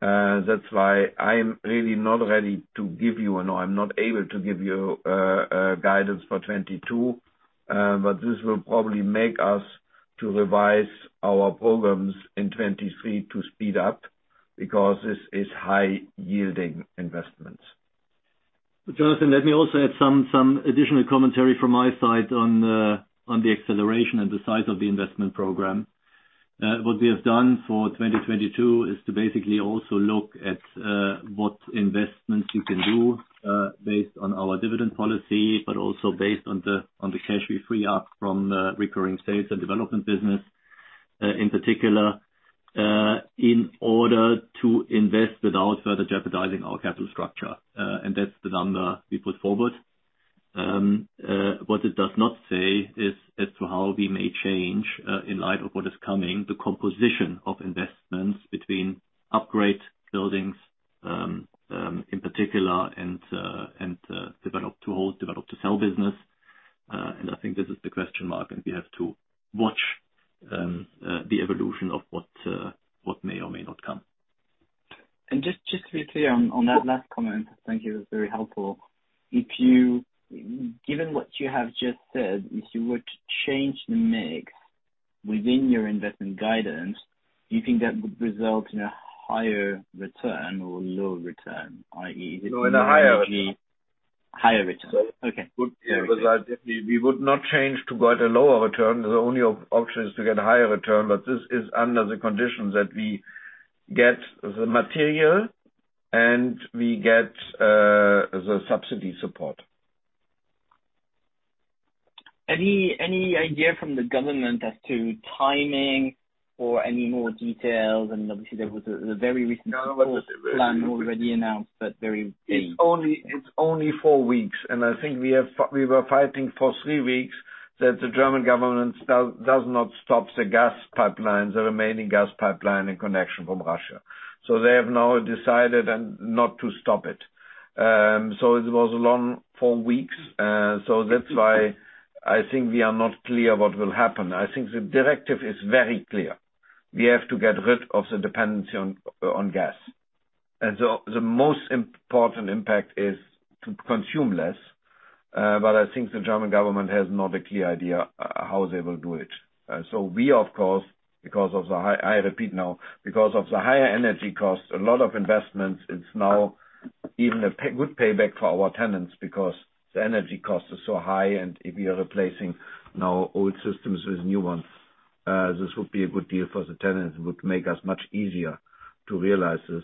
That's why I'm not able to give you a guidance for 2022, but this will probably make us revise our programs in 2023 to speed up because this is high yielding investments. Jonathan, let me also add additional commentary from my side on the acceleration and the size of the investment program. What we have done for 2022 is to basically also look at what investments we can do based on our dividend policy, but also based on the cash we free up from the recurring sales and development business, in particular, in order to invest without further jeopardizing our capital structure. That's the number we put forward. What it does not say is as to how we may change, in light of what is coming, the composition of investments between upgrade buildings, in particular, and develop to hold, develop to sell business. I think this is the question mark, and we have to watch the evolution of what may or may not come. Just to be clear on that last comment, thank you, it was very helpful. Given what you have just said, if you were to change the mix within your investment guidance, do you think that would result in a higher return or a lower return? I.e., is it normally- No, in a higher return. Higher return. Okay. Yeah. We would not change to get a lower return. The only option is to get a higher return. This is under the condition that we get the material and we get the subsidy support. Any idea from the government as to timing or any more details? Obviously, there was the very recent plan already announced, but very vague. It's only four weeks, and I think we were fighting for three weeks that the German government does not stop the gas pipeline, the remaining gas pipeline, in connection from Russia. They have now decided not to stop it. It was a long four weeks. That's why I think we are not clear what will happen. I think the directive is very clear. We have to get rid of the dependency on gas. The most important impact is to consume less, but I think the German government has not a clear idea how they will do it. We, of course, because of the higher energy costs, a lot of investments. It's now even a good payback for our tenants because the energy cost is so high, and if we are replacing now old systems with new ones, this would be a good deal for the tenants. It would make it much easier for us to realize this.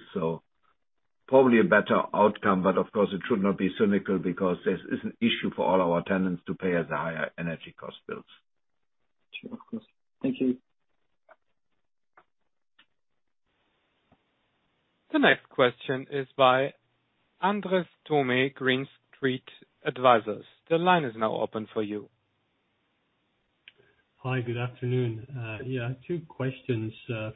Probably a better outcome, but of course, it should not be cynical because this is an issue for all our tenants to pay higher energy cost bills. Sure, of course. Thank you. The next question is by Andres Toome, Green Street Advisors. The line is now open for you. Hi, good afternoon. Two questions.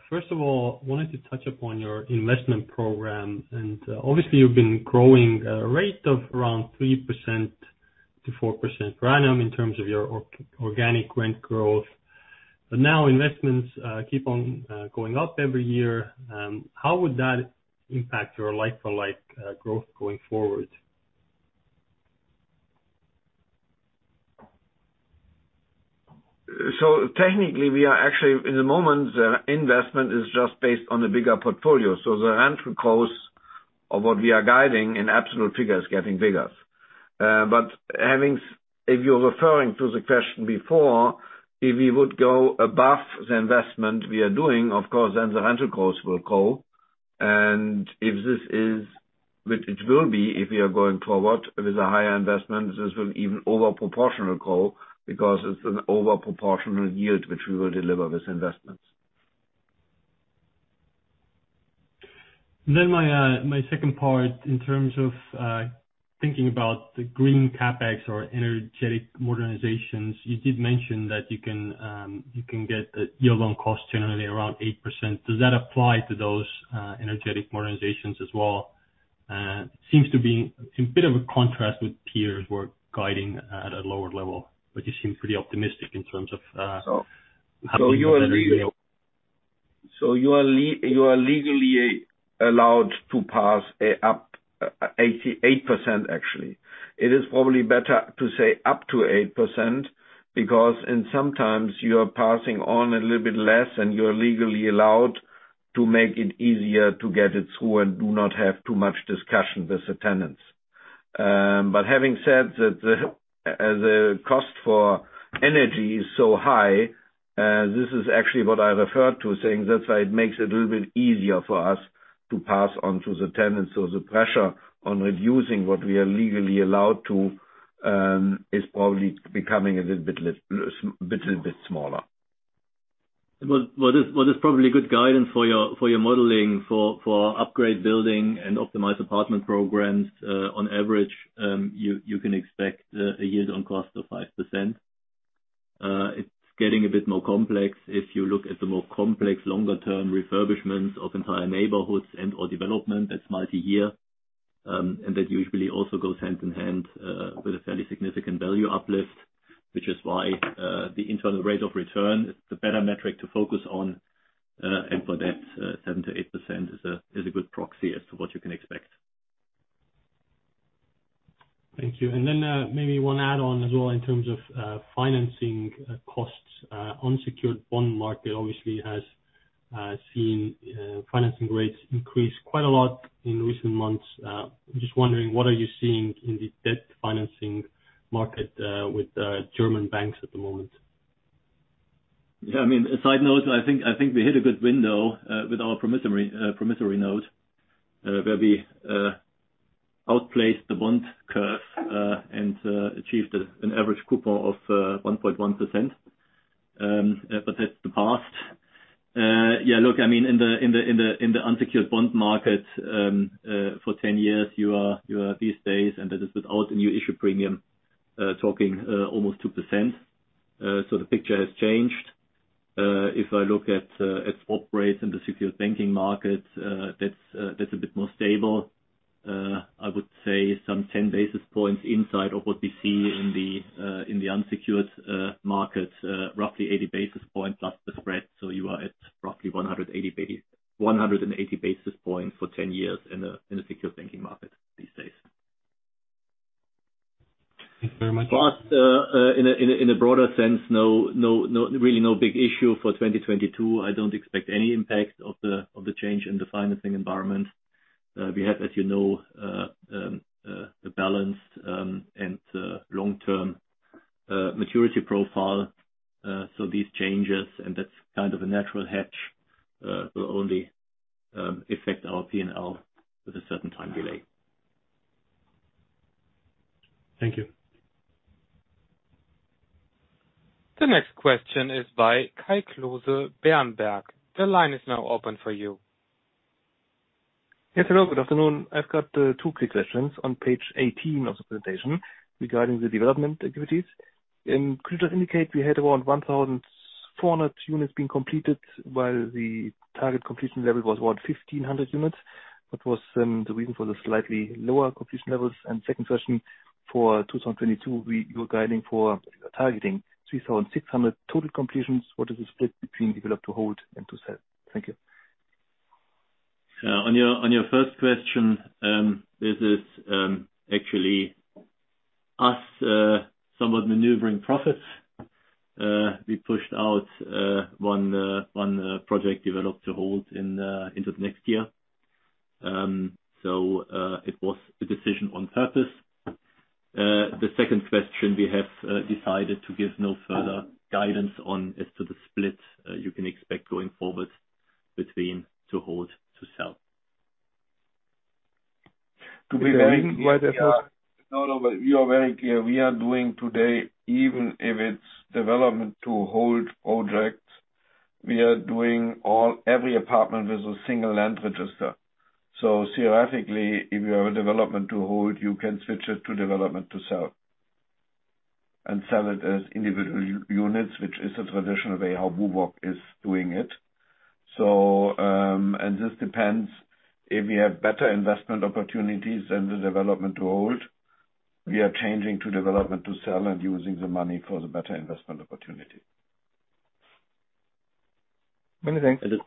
First of all, wanted to touch upon your investment program, and obviously you've been growing at a rate of around 3%-4% per annum in terms of your organic rent growth. Now investments keep on going up every year. How would that impact your like-for-like growth going forward? Technically, we are actually at the moment, investment is just based on the bigger portfolio. The rental cost of what we are guiding in absolute figure is getting bigger. If you're referring to the question before, if we would go above the investment we are doing, of course, then the rental cost will go. If this is, which it will be, if we are going forward with a higher investment, this will even over proportional go because it's an over proportional yield which we will deliver with investments. My second part, in terms of thinking about the green CapEx or energetic modernizations, you did mention that you can get a yield on cost generally around 8%. Does that apply to those energetic modernizations as well? It seems to be a bit of a contrast with peers who are guiding at a lower level, but you seem pretty optimistic in terms of So you are le- How do you? You are legally allowed to pass up 88% actually. It is probably better to say up to 8% because and sometimes you are passing on a little bit less, and you are legally allowed to make it easier to get it through and do not have too much discussion with the tenants. Having said that, the cost for energy is so high. This is actually what I referred to, saying that's why it makes it a little bit easier for us to pass on to the tenants. The pressure on reducing what we are legally allowed to is probably becoming a little bit smaller. What is probably a good guidance for your modeling for upgrade buildings and optimize apartment programs, on average, you can expect a yield on cost of 5%. It's getting a bit more complex if you look at the more complex longer-term refurbishments of entire neighborhoods and/or development that's multi-year. That usually also goes hand in hand with a fairly significant value uplift, which is why the internal rate of return is the better metric to focus on, and for that, 7%-8% is a good proxy as to what you can expect. Thank you. Maybe one add-on as well in terms of financing costs. Unsecured bond market obviously has seen financing rates increase quite a lot in recent months. I'm just wondering, what are you seeing in the debt financing market with German banks at the moment? Yeah, I mean, a side note, I think we hit a good window with our promissory note where we outplaced the bond curve and achieved an average coupon of 1.1%. But that's the past. Yeah, look, I mean, in the unsecured bond market for 10 years, you are these days, and that is without a new issue premium, talking almost 2%. So the picture has changed. If I look at swap rates in the secured banking market, that's a bit more stable. I would say some 10 basis points inside of what we see in the unsecured market, roughly 80 basis points plus the spread. You are at roughly 180 basis points for 10 years in a secured banking market these days. Thank you very much. In a broader sense, no big issue for 2022. I don't expect any impact of the change in the financing environment. We have, as you know, a balanced and long-term maturity profile. These changes, and that's kind of a natural hedge, will only affect our P&L with a certain time delay. Thank you. The next question is by Kai Klose, Berenberg. The line is now open for you. Yes, hello, good afternoon. I've got two quick questions on page 18 of the presentation regarding the development activities. Could you just indicate we had around 1,400 units being completed while the target completion level was around 1,500 units. What was the reason for the slightly lower completion levels? Second question, for 2022, you're guiding for targeting 3,600 total completions. What is the split between develop to hold and to sell? Thank you. On your first question, this is actually us somewhat maneuvering profits. We pushed out one project developed to hold into next year. It was a decision on purpose. The second question, we have decided to give no further guidance on as to the split you can expect going forward between to hold, to sell. To be very. No, we are very clear. We are doing today, even if it's development to hold projects, we are doing all, every apartment with a single land register. Theoretically, if you have a development to hold, you can switch it to development to sell. Sell it as individual units, which is the traditional way how Vonovia is doing it. This depends if we have better investment opportunities than the development to hold, we are changing to development to sell and using the money for the better investment opportunity. Many thanks. Thank you.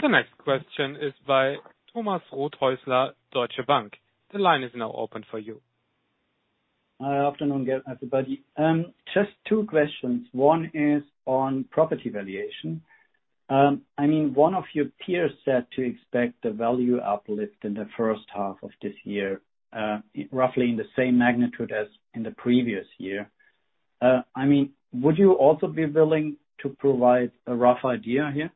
The next question is by Thomas Rothäusler, Deutsche Bank. The line is now open for you. Afternoon, everybody. Just two questions. One is on property valuation. I mean, one of your peers said to expect the value uplift in the first half of this year, roughly in the same magnitude as in the previous year. I mean, would you also be willing to provide a rough idea here?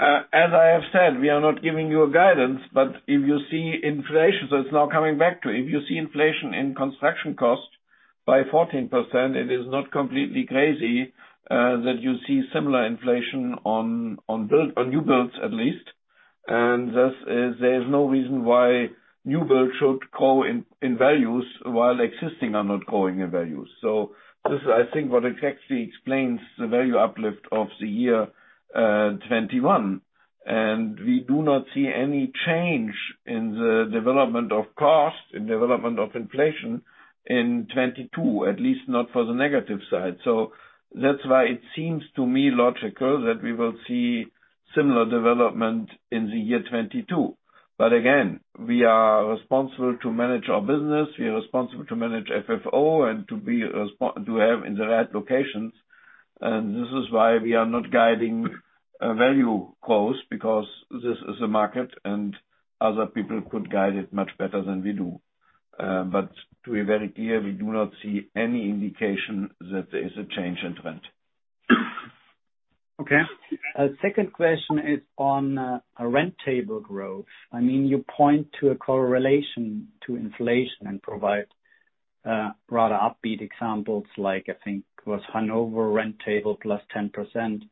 As I have said, we are not giving you a guidance, but if you see inflation, so it's now coming back to if you see inflation in construction costs by 14%, it is not completely crazy that you see similar inflation on new builds at least. Thus there's no reason why new build should grow in values while existing are not growing in values. This is I think what exactly explains the value uplift of the year 2021. We do not see any change in the development of cost, in development of inflation in 2022, at least not for the negative side. That's why it seems to me logical that we will see similar development in the year 2022. Again, we are responsible to manage our business. We are responsible to manage FFO and to have in the right locations. This is why we are not guiding a value cost because this is a market and other people could guide it much better than we do. To be very clear, we do not see any indication that there is a change in trend. Okay. Second question is on rent table growth. I mean, you point to a correlation to inflation and provide rather upbeat examples like I think was Hanover rent table +10%.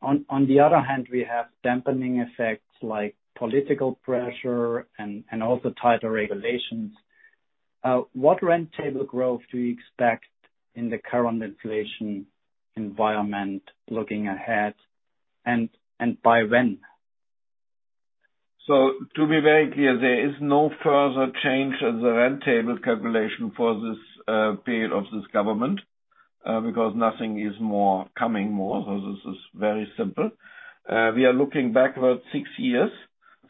On the other hand, we have dampening effects like political pressure and also tighter regulations. What rent table growth do you expect in the current inflation environment looking ahead, and by when? To be very clear, there is no further change of the rent table calculation for this period of this government, because nothing more is coming. This is very simple. We are looking backwards six years.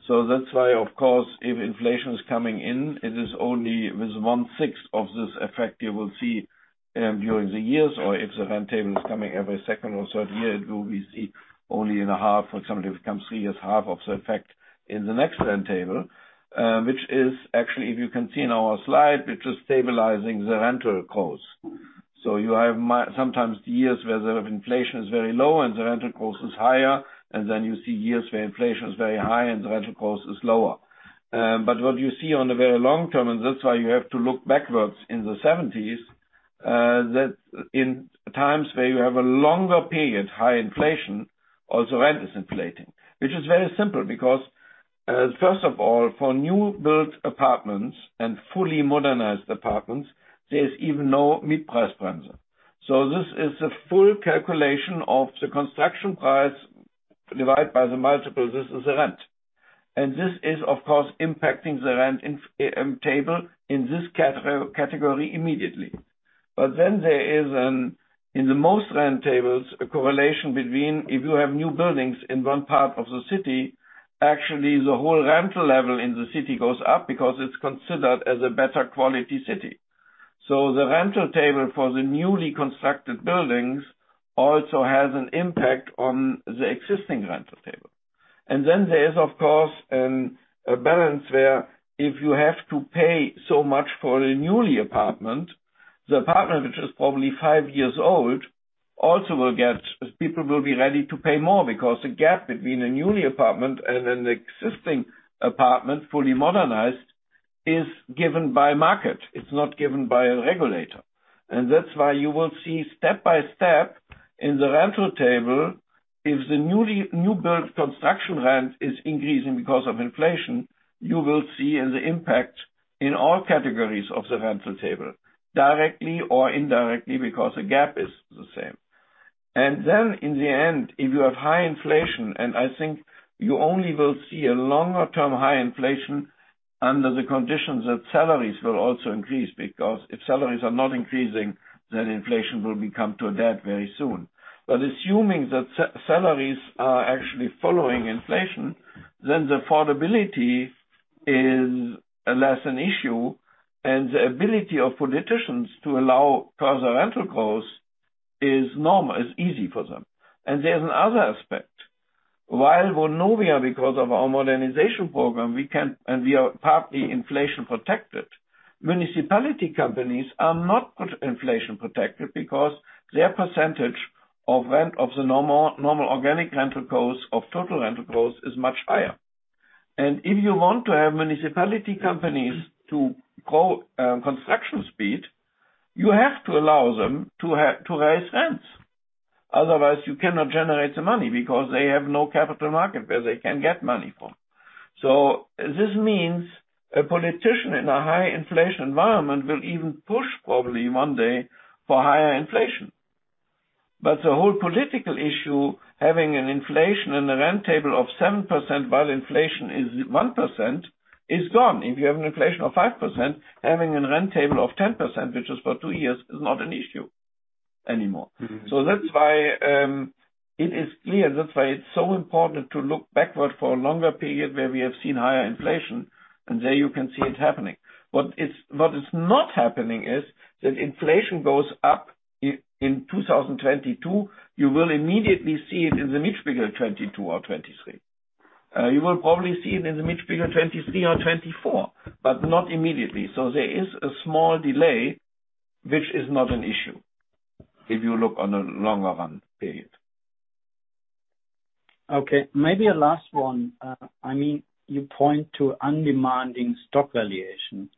That's why of course, if inflation is coming in, it is only with 1/6 of this effect you will see during the years, or if the rent table is coming every second or third year, it will be seen only in a half or if it becomes three years half of the effect in the next rent table. Which is actually, if you can see in our slide, which is stabilizing the rental cost. You have sometimes years where the inflation is very low and the rental cost is higher, and then you see years where inflation is very high and the rental cost is lower. What you see on the very long term, and that's why you have to look backwards in the 1970s, that in times where you have a longer period, high inflation, also rent is inflating. Which is very simple because, first of all, for new-built apartments and fully modernized apartments, there's even no mid-price rental. This is a full calculation of the construction price divided by the multiple, this is the rent. This is of course impacting the rent inflation table in this category immediately. There is, in the most rent tables, a correlation between if you have new buildings in one part of the city, actually the whole rental level in the city goes up because it's considered as a better quality city. The rental table for the newly constructed buildings also has an impact on the existing rental table. There is, of course, a balance where if you have to pay so much for a new apartment, the apartment, which is probably five years old, also, people will be ready to pay more because the gap between a new apartment and an existing apartment, fully modernized, is given by market. It's not given by a regulator. That's why you will see step by step in the rental table, if the new build construction rent is increasing because of inflation, you will see the impact in all categories of the rental table, directly or indirectly, because the gap is the same. Then in the end, if you have high inflation, and I think you only will see a longer-term high inflation under the conditions that salaries will also increase. Because if salaries are not increasing, then inflation will come to a dead end very soon. Assuming that salaries are actually following inflation, then the affordability is less an issue and the ability of politicians to allow further rental costs is normal, is easy for them. There's another aspect. While Vonovia, because of our modernization program, we can and we are partly inflation protected, municipality companies are not inflation protected because their percentage of rent of the normal organic rental cost of total rental cost is much higher. If you want to have municipality companies to grow construction speed, you have to allow them to raise rents. Otherwise, you cannot generate the money because they have no capital market where they can get money from. This means a politician in a high inflation environment will even push probably one day for higher inflation. The whole political issue, having an inflation in the rent table of 7%, while inflation is 1%, is gone. If you have an inflation of 5%, having a rent table of 10%, which is for two years, is not an issue anymore. Mm-hmm. That's why it is clear, that's why it's so important to look backward for a longer period where we have seen higher inflation, and there you can see it happening. What is not happening is that inflation goes up in 2022, you will immediately see it in mid-2022 or 2023. You will probably see it in mid-2023 or 2024, but not immediately. There is a small delay, which is not an issue if you look on a longer run period. Okay, maybe a last one. I mean, you point to undemanding stock valuation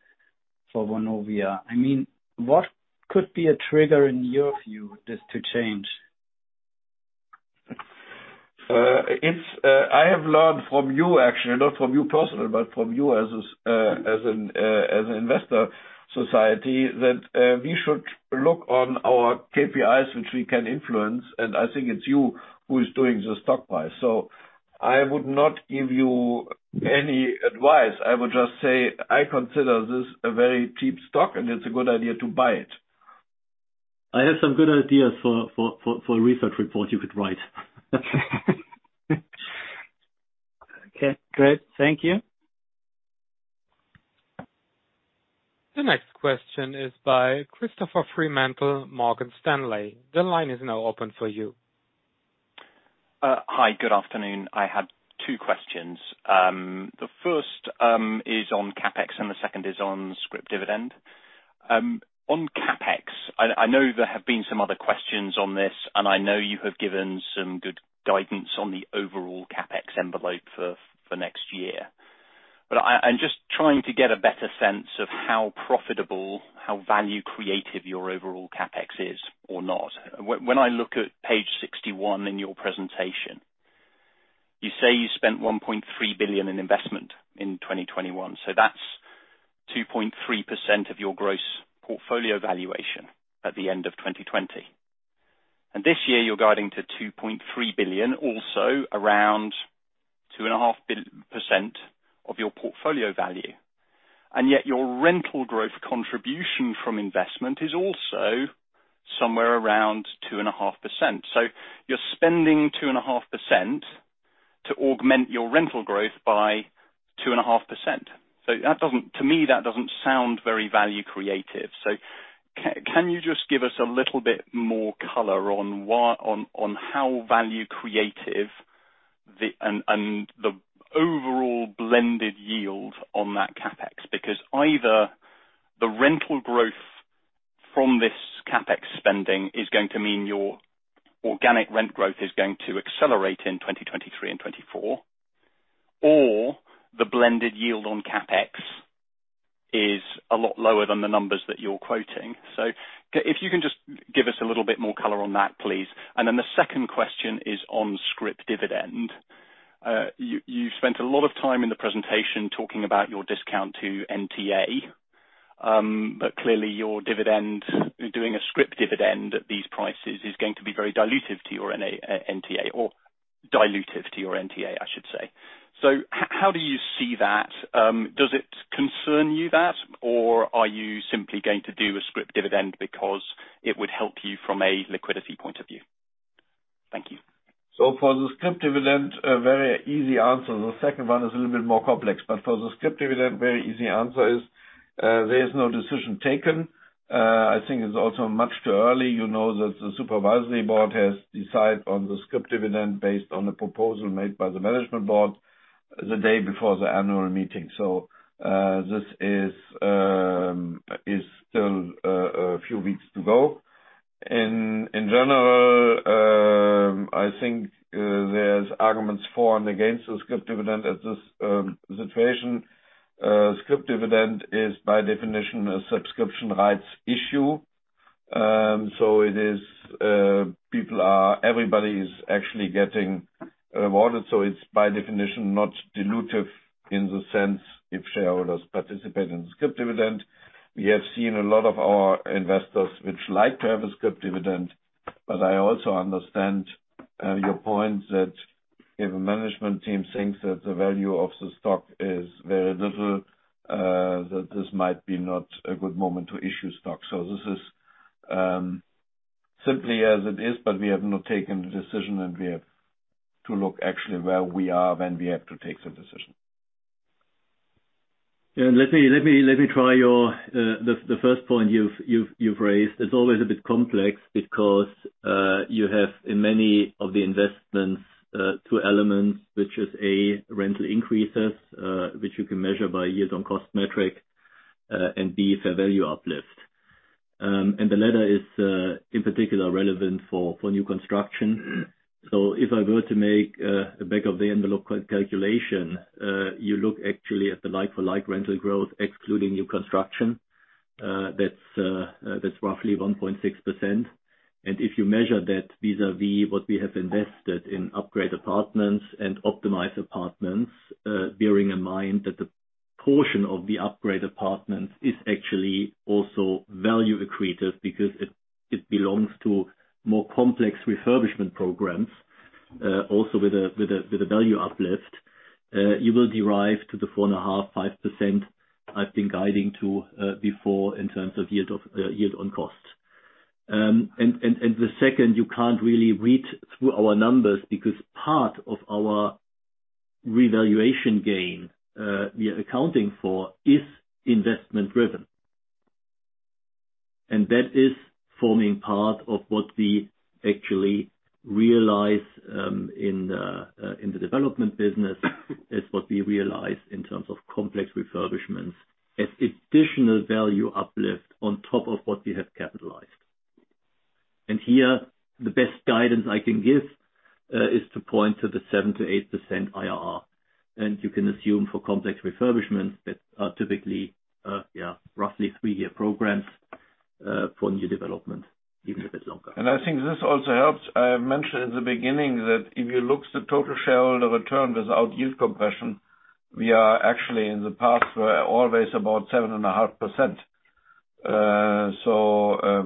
for Vonovia. I mean, what could be a trigger, in your view, for this to change? I have learned from you, actually, not from you personally, but from you as an investor society, that we should look on our KPIs which we can influence, and I think it's you who is doing the stock price. I would not give you any advice. I would just say, I consider this a very cheap stock, and it's a good idea to buy it. I have some good ideas for a research report you could write. Okay, great. Thank you. The next question is by Christopher Fremantle, Morgan Stanley. The line is now open for you. Hi, good afternoon. I have two questions. The first is on CapEx, and the second is on scrip dividend. On CapEx, I know there have been some other questions on this, and I know you have given some good guidance on the overall CapEx envelope for next year. I'm just trying to get a better sense of how profitable, how value creative your overall CapEx is or not. When I look at page 61 in your presentation, you say you spent 1.3 billion in investment in 2021, so that's 2.3% of your gross portfolio valuation at the end of 2020. This year you're guiding to 2.3 billion, also around 2.5% of your portfolio value. Yet your rental growth contribution from investment is also somewhere around 2.5%. You're spending 2.5% to augment your rental growth by 2.5%. To me, that doesn't sound very value creative. Can you just give us a little bit more color on how value creative and the overall blended yield on that CapEx? Because either the rental growth from this CapEx spending is going to mean your organic rent growth is going to accelerate in 2023 and 2024, or the blended yield on CapEx is a lot lower than the numbers that you're quoting. If you can just give us a little bit more color on that, please. Then the second question is on scrip dividend. You spent a lot of time in the presentation talking about your discount to NTA. Clearly, your dividend, doing a scrip dividend at these prices, is going to be very dilutive to your NTA, I should say. How do you see that? Does it concern you, that? Or are you simply going to do a scrip dividend because it would help you from a liquidity point of view? Thank you. For the scrip dividend, a very easy answer. The second one is a little bit more complex, but for the scrip dividend, very easy answer is, there is no decision taken. I think it's also much too early. You know that the Supervisory Board has decided on the scrip dividend based on the proposal made by the Management Board the day before the annual meeting. This is still a few weeks to go. In general, I think, there's arguments for and against the scrip dividend at this situation. Scrip dividend is by definition a subscription rights issue. So it is, everybody is actually getting rewarded, so it's by definition, not dilutive in the sense if shareholders participate in scrip dividend. We have seen a lot of our investors which like to have a scrip dividend. I also understand your point that if a management team thinks that the value of the stock is very little, that this might be not a good moment to issue stock. This is simply as it is, but we have not taken the decision, and we have to look actually where we are when we have to take the decision. Yeah. Let me try your first point you've raised. It's always a bit complex because you have in many of the investments two elements, which is A, rental increases, which you can measure by yield on cost metric, and B, fair value uplift. And the latter is in particular relevant for new construction. If I were to make a back of the envelope calculation, you look actually at the like-for-like rental growth excluding new construction, that's roughly 1.6%. If you measure that vis-à-vis what we have invested in upgrade apartments and optimized apartments, bearing in mind that the portion of the upgrade apartments is actually also value accretive because it belongs to more complex refurbishment programs, also with a value uplift, you will arrive at the 4.5%-5% I've been guiding to before in terms of yield on cost. The second, you can't really read through our numbers because part of our revaluation gain we are accounting for is investment driven. That is forming part of what we actually realize in the development business, is what we realize in terms of complex refurbishments as additional value uplift on top of what we have capitalized. Here, the best guidance I can give is to point to the 7%-8% IRR. You can assume for complex refurbishments that are typically roughly three-year programs for new development, even if it's longer. I think this also helps. I have mentioned at the beginning that if you look at the total shareholder return without yield compression, we are actually in the past always about 7.5%.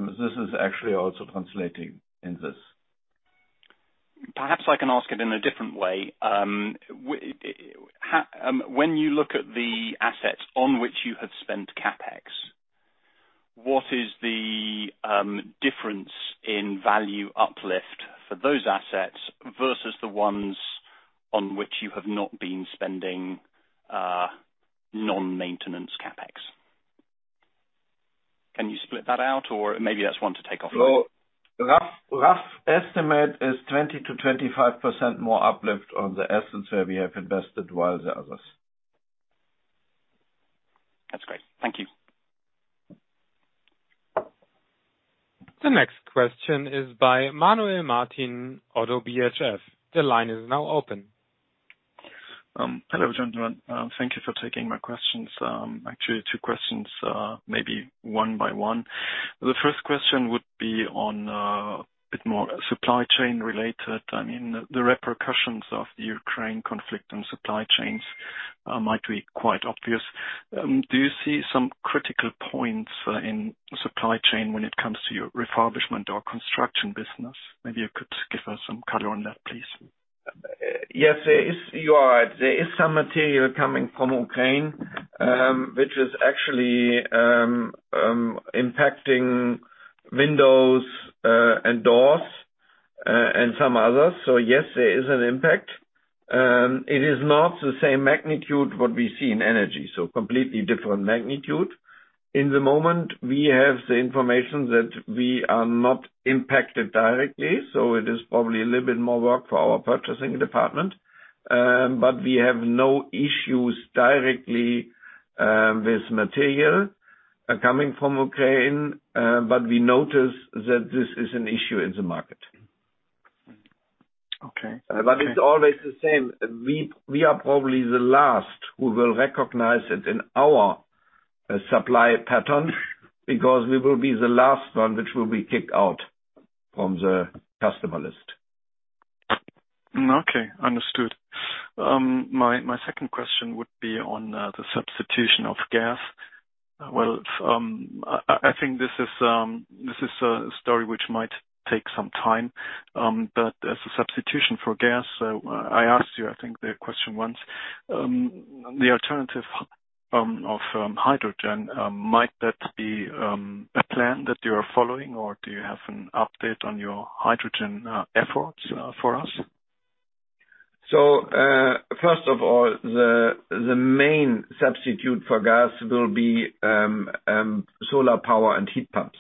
This is actually also translating into this. Perhaps I can ask it in a different way. How, when you look at the assets on which you have spent CapEx, what is the difference in value uplift for those assets versus the ones on which you have not been spending non-maintenance CapEx? Can you split that out, or maybe that's one to take offline. Rough estimate is 20%-25% more uplift on the assets where we have invested, while the others. That's great. Thank you. The next question is by Manuel Martin, ODDO BHF. The line is now open. Hello, gentlemen. Thank you for taking my questions. Actually two questions, maybe one by one. The first question would be on a bit more supply chain related. I mean, the repercussions of the Ukraine conflict on supply chains might be quite obvious. Do you see some critical points in supply chain when it comes to your refurbishment or construction business? Maybe you could give us some color on that, please. Yes, there is some material coming from Ukraine, which is actually impacting windows, and doors, and some others. Yes, there is an impact. It is not the same magnitude what we see in energy, so completely different magnitude. At the moment, we have the information that we are not impacted directly, so it is probably a little bit more work for our purchasing department. But we have no issues directly with material coming from Ukraine. But we notice that this is an issue in the market. Okay. It's always the same. We are probably the last who will recognize it in our supply pattern because we will be the last one which will be kicked out from the customer list. Okay, understood. My second question would be on the substitution of gas. Well, I think this is a story which might take some time, but as a substitution for gas, I asked you, I think, the question once. The alternative of hydrogen might that be a plan that you are following, or do you have an update on your hydrogen efforts for us? First of all, the main substitute for gas will be solar power and heat pumps.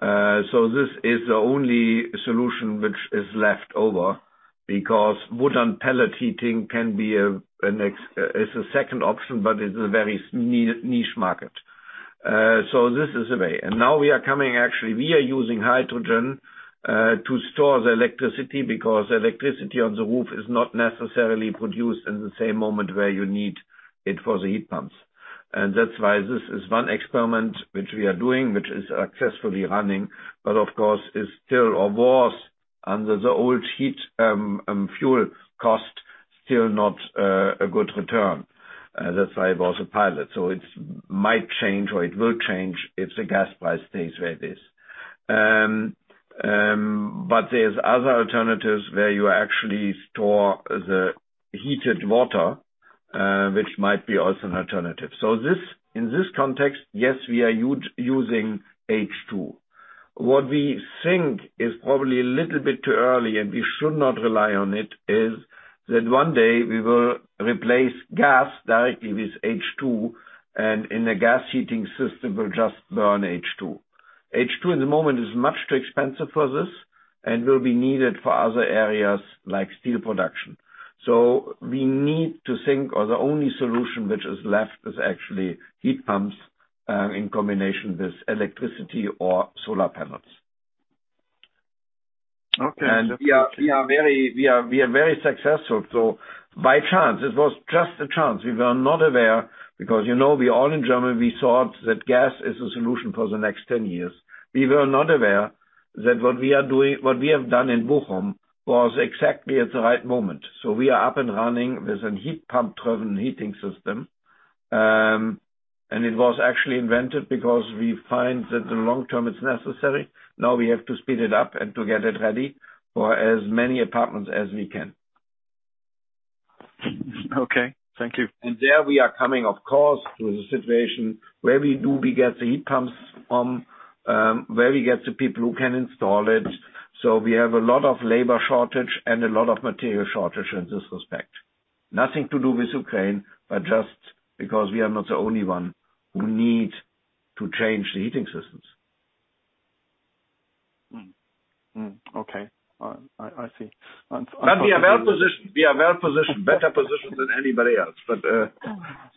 This is the only solution which is left over because wood pellet heating is a second option, but it's a very niche market. This is the way. Actually, we are using hydrogen to store the electricity because electricity on the roof is not necessarily produced in the same moment where you need it for the heat pumps. That's why this is one experiment which we are doing, which is successfully running, but of course is still or was under the old heating fuel cost still not a good return. That's why it was a pilot. It might change or it will change if the gas price stays where it is. There's other alternatives where you actually store the heated water, which might be also an alternative. In this context, yes, we are using H2. What we think is probably a little bit too early and we should not rely on it, is that one day we will replace gas directly with H2 and in a gas heating system will just burn H2. H2 at the moment is much too expensive for this and will be needed for other areas like steel production. We need to think or the only solution which is left is actually heat pumps in combination with electricity or solar panels. Okay. We are very successful. By chance, it was just a chance. We were not aware because, you know, we all in Germany, we thought that gas is a solution for the next 10 years. We were not aware that what we are doing, what we have done in Bochum was exactly at the right moment. We are up and running with a heat pump driven heating system. It was actually invented because we find that the long term it's necessary. Now we have to speed it up and to get it ready for as many apartments as we can. Okay, thank you. There we are coming, of course, to the situation where we get the heat pumps from, where we get the people who can install it. We have a lot of labor shortage and a lot of material shortage in this respect. Nothing to do with Ukraine, but just because we are not the only one who need to change the heating systems. Okay. I see. We are well positioned. We are well positioned, better positioned than anybody else.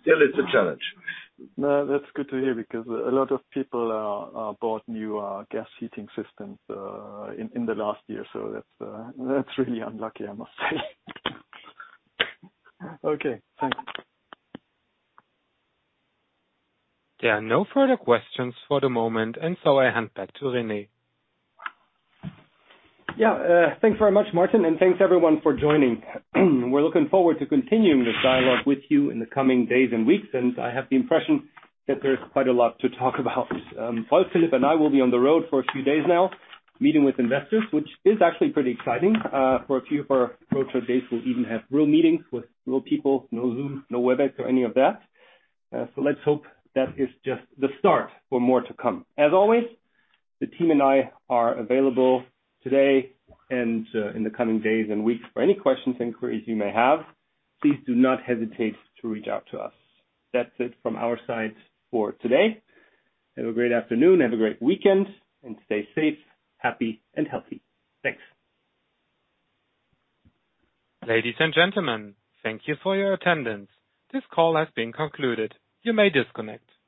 Still it's a challenge. No, that's good to hear because a lot of people bought new gas heating systems in the last year. That's really unlucky, I must say. Okay, thanks. There are no further questions for the moment, and so I hand back to Rene. Yeah. Thanks very much, Martin, and thanks everyone for joining. We're looking forward to continuing this dialogue with you in the coming days and weeks. I have the impression that there's quite a lot to talk about. Rolf Buch, Philip Grosse, and I will be on the road for a few days now, meeting with investors, which is actually pretty exciting. For a few of our roadshow days, we'll even have real meetings with real people. No Zoom, no Webex or any of that. Let's hope that is just the start for more to come. As always, the team and I are available today and in the coming days and weeks for any questions, inquiries you may have. Please do not hesitate to reach out to us. That's it from our side for today. Have a great afternoon, have a great weekend, and stay safe, happy and healthy. Thanks. Ladies and gentlemen, thank you for your attendance. This call has been concluded. You may disconnect.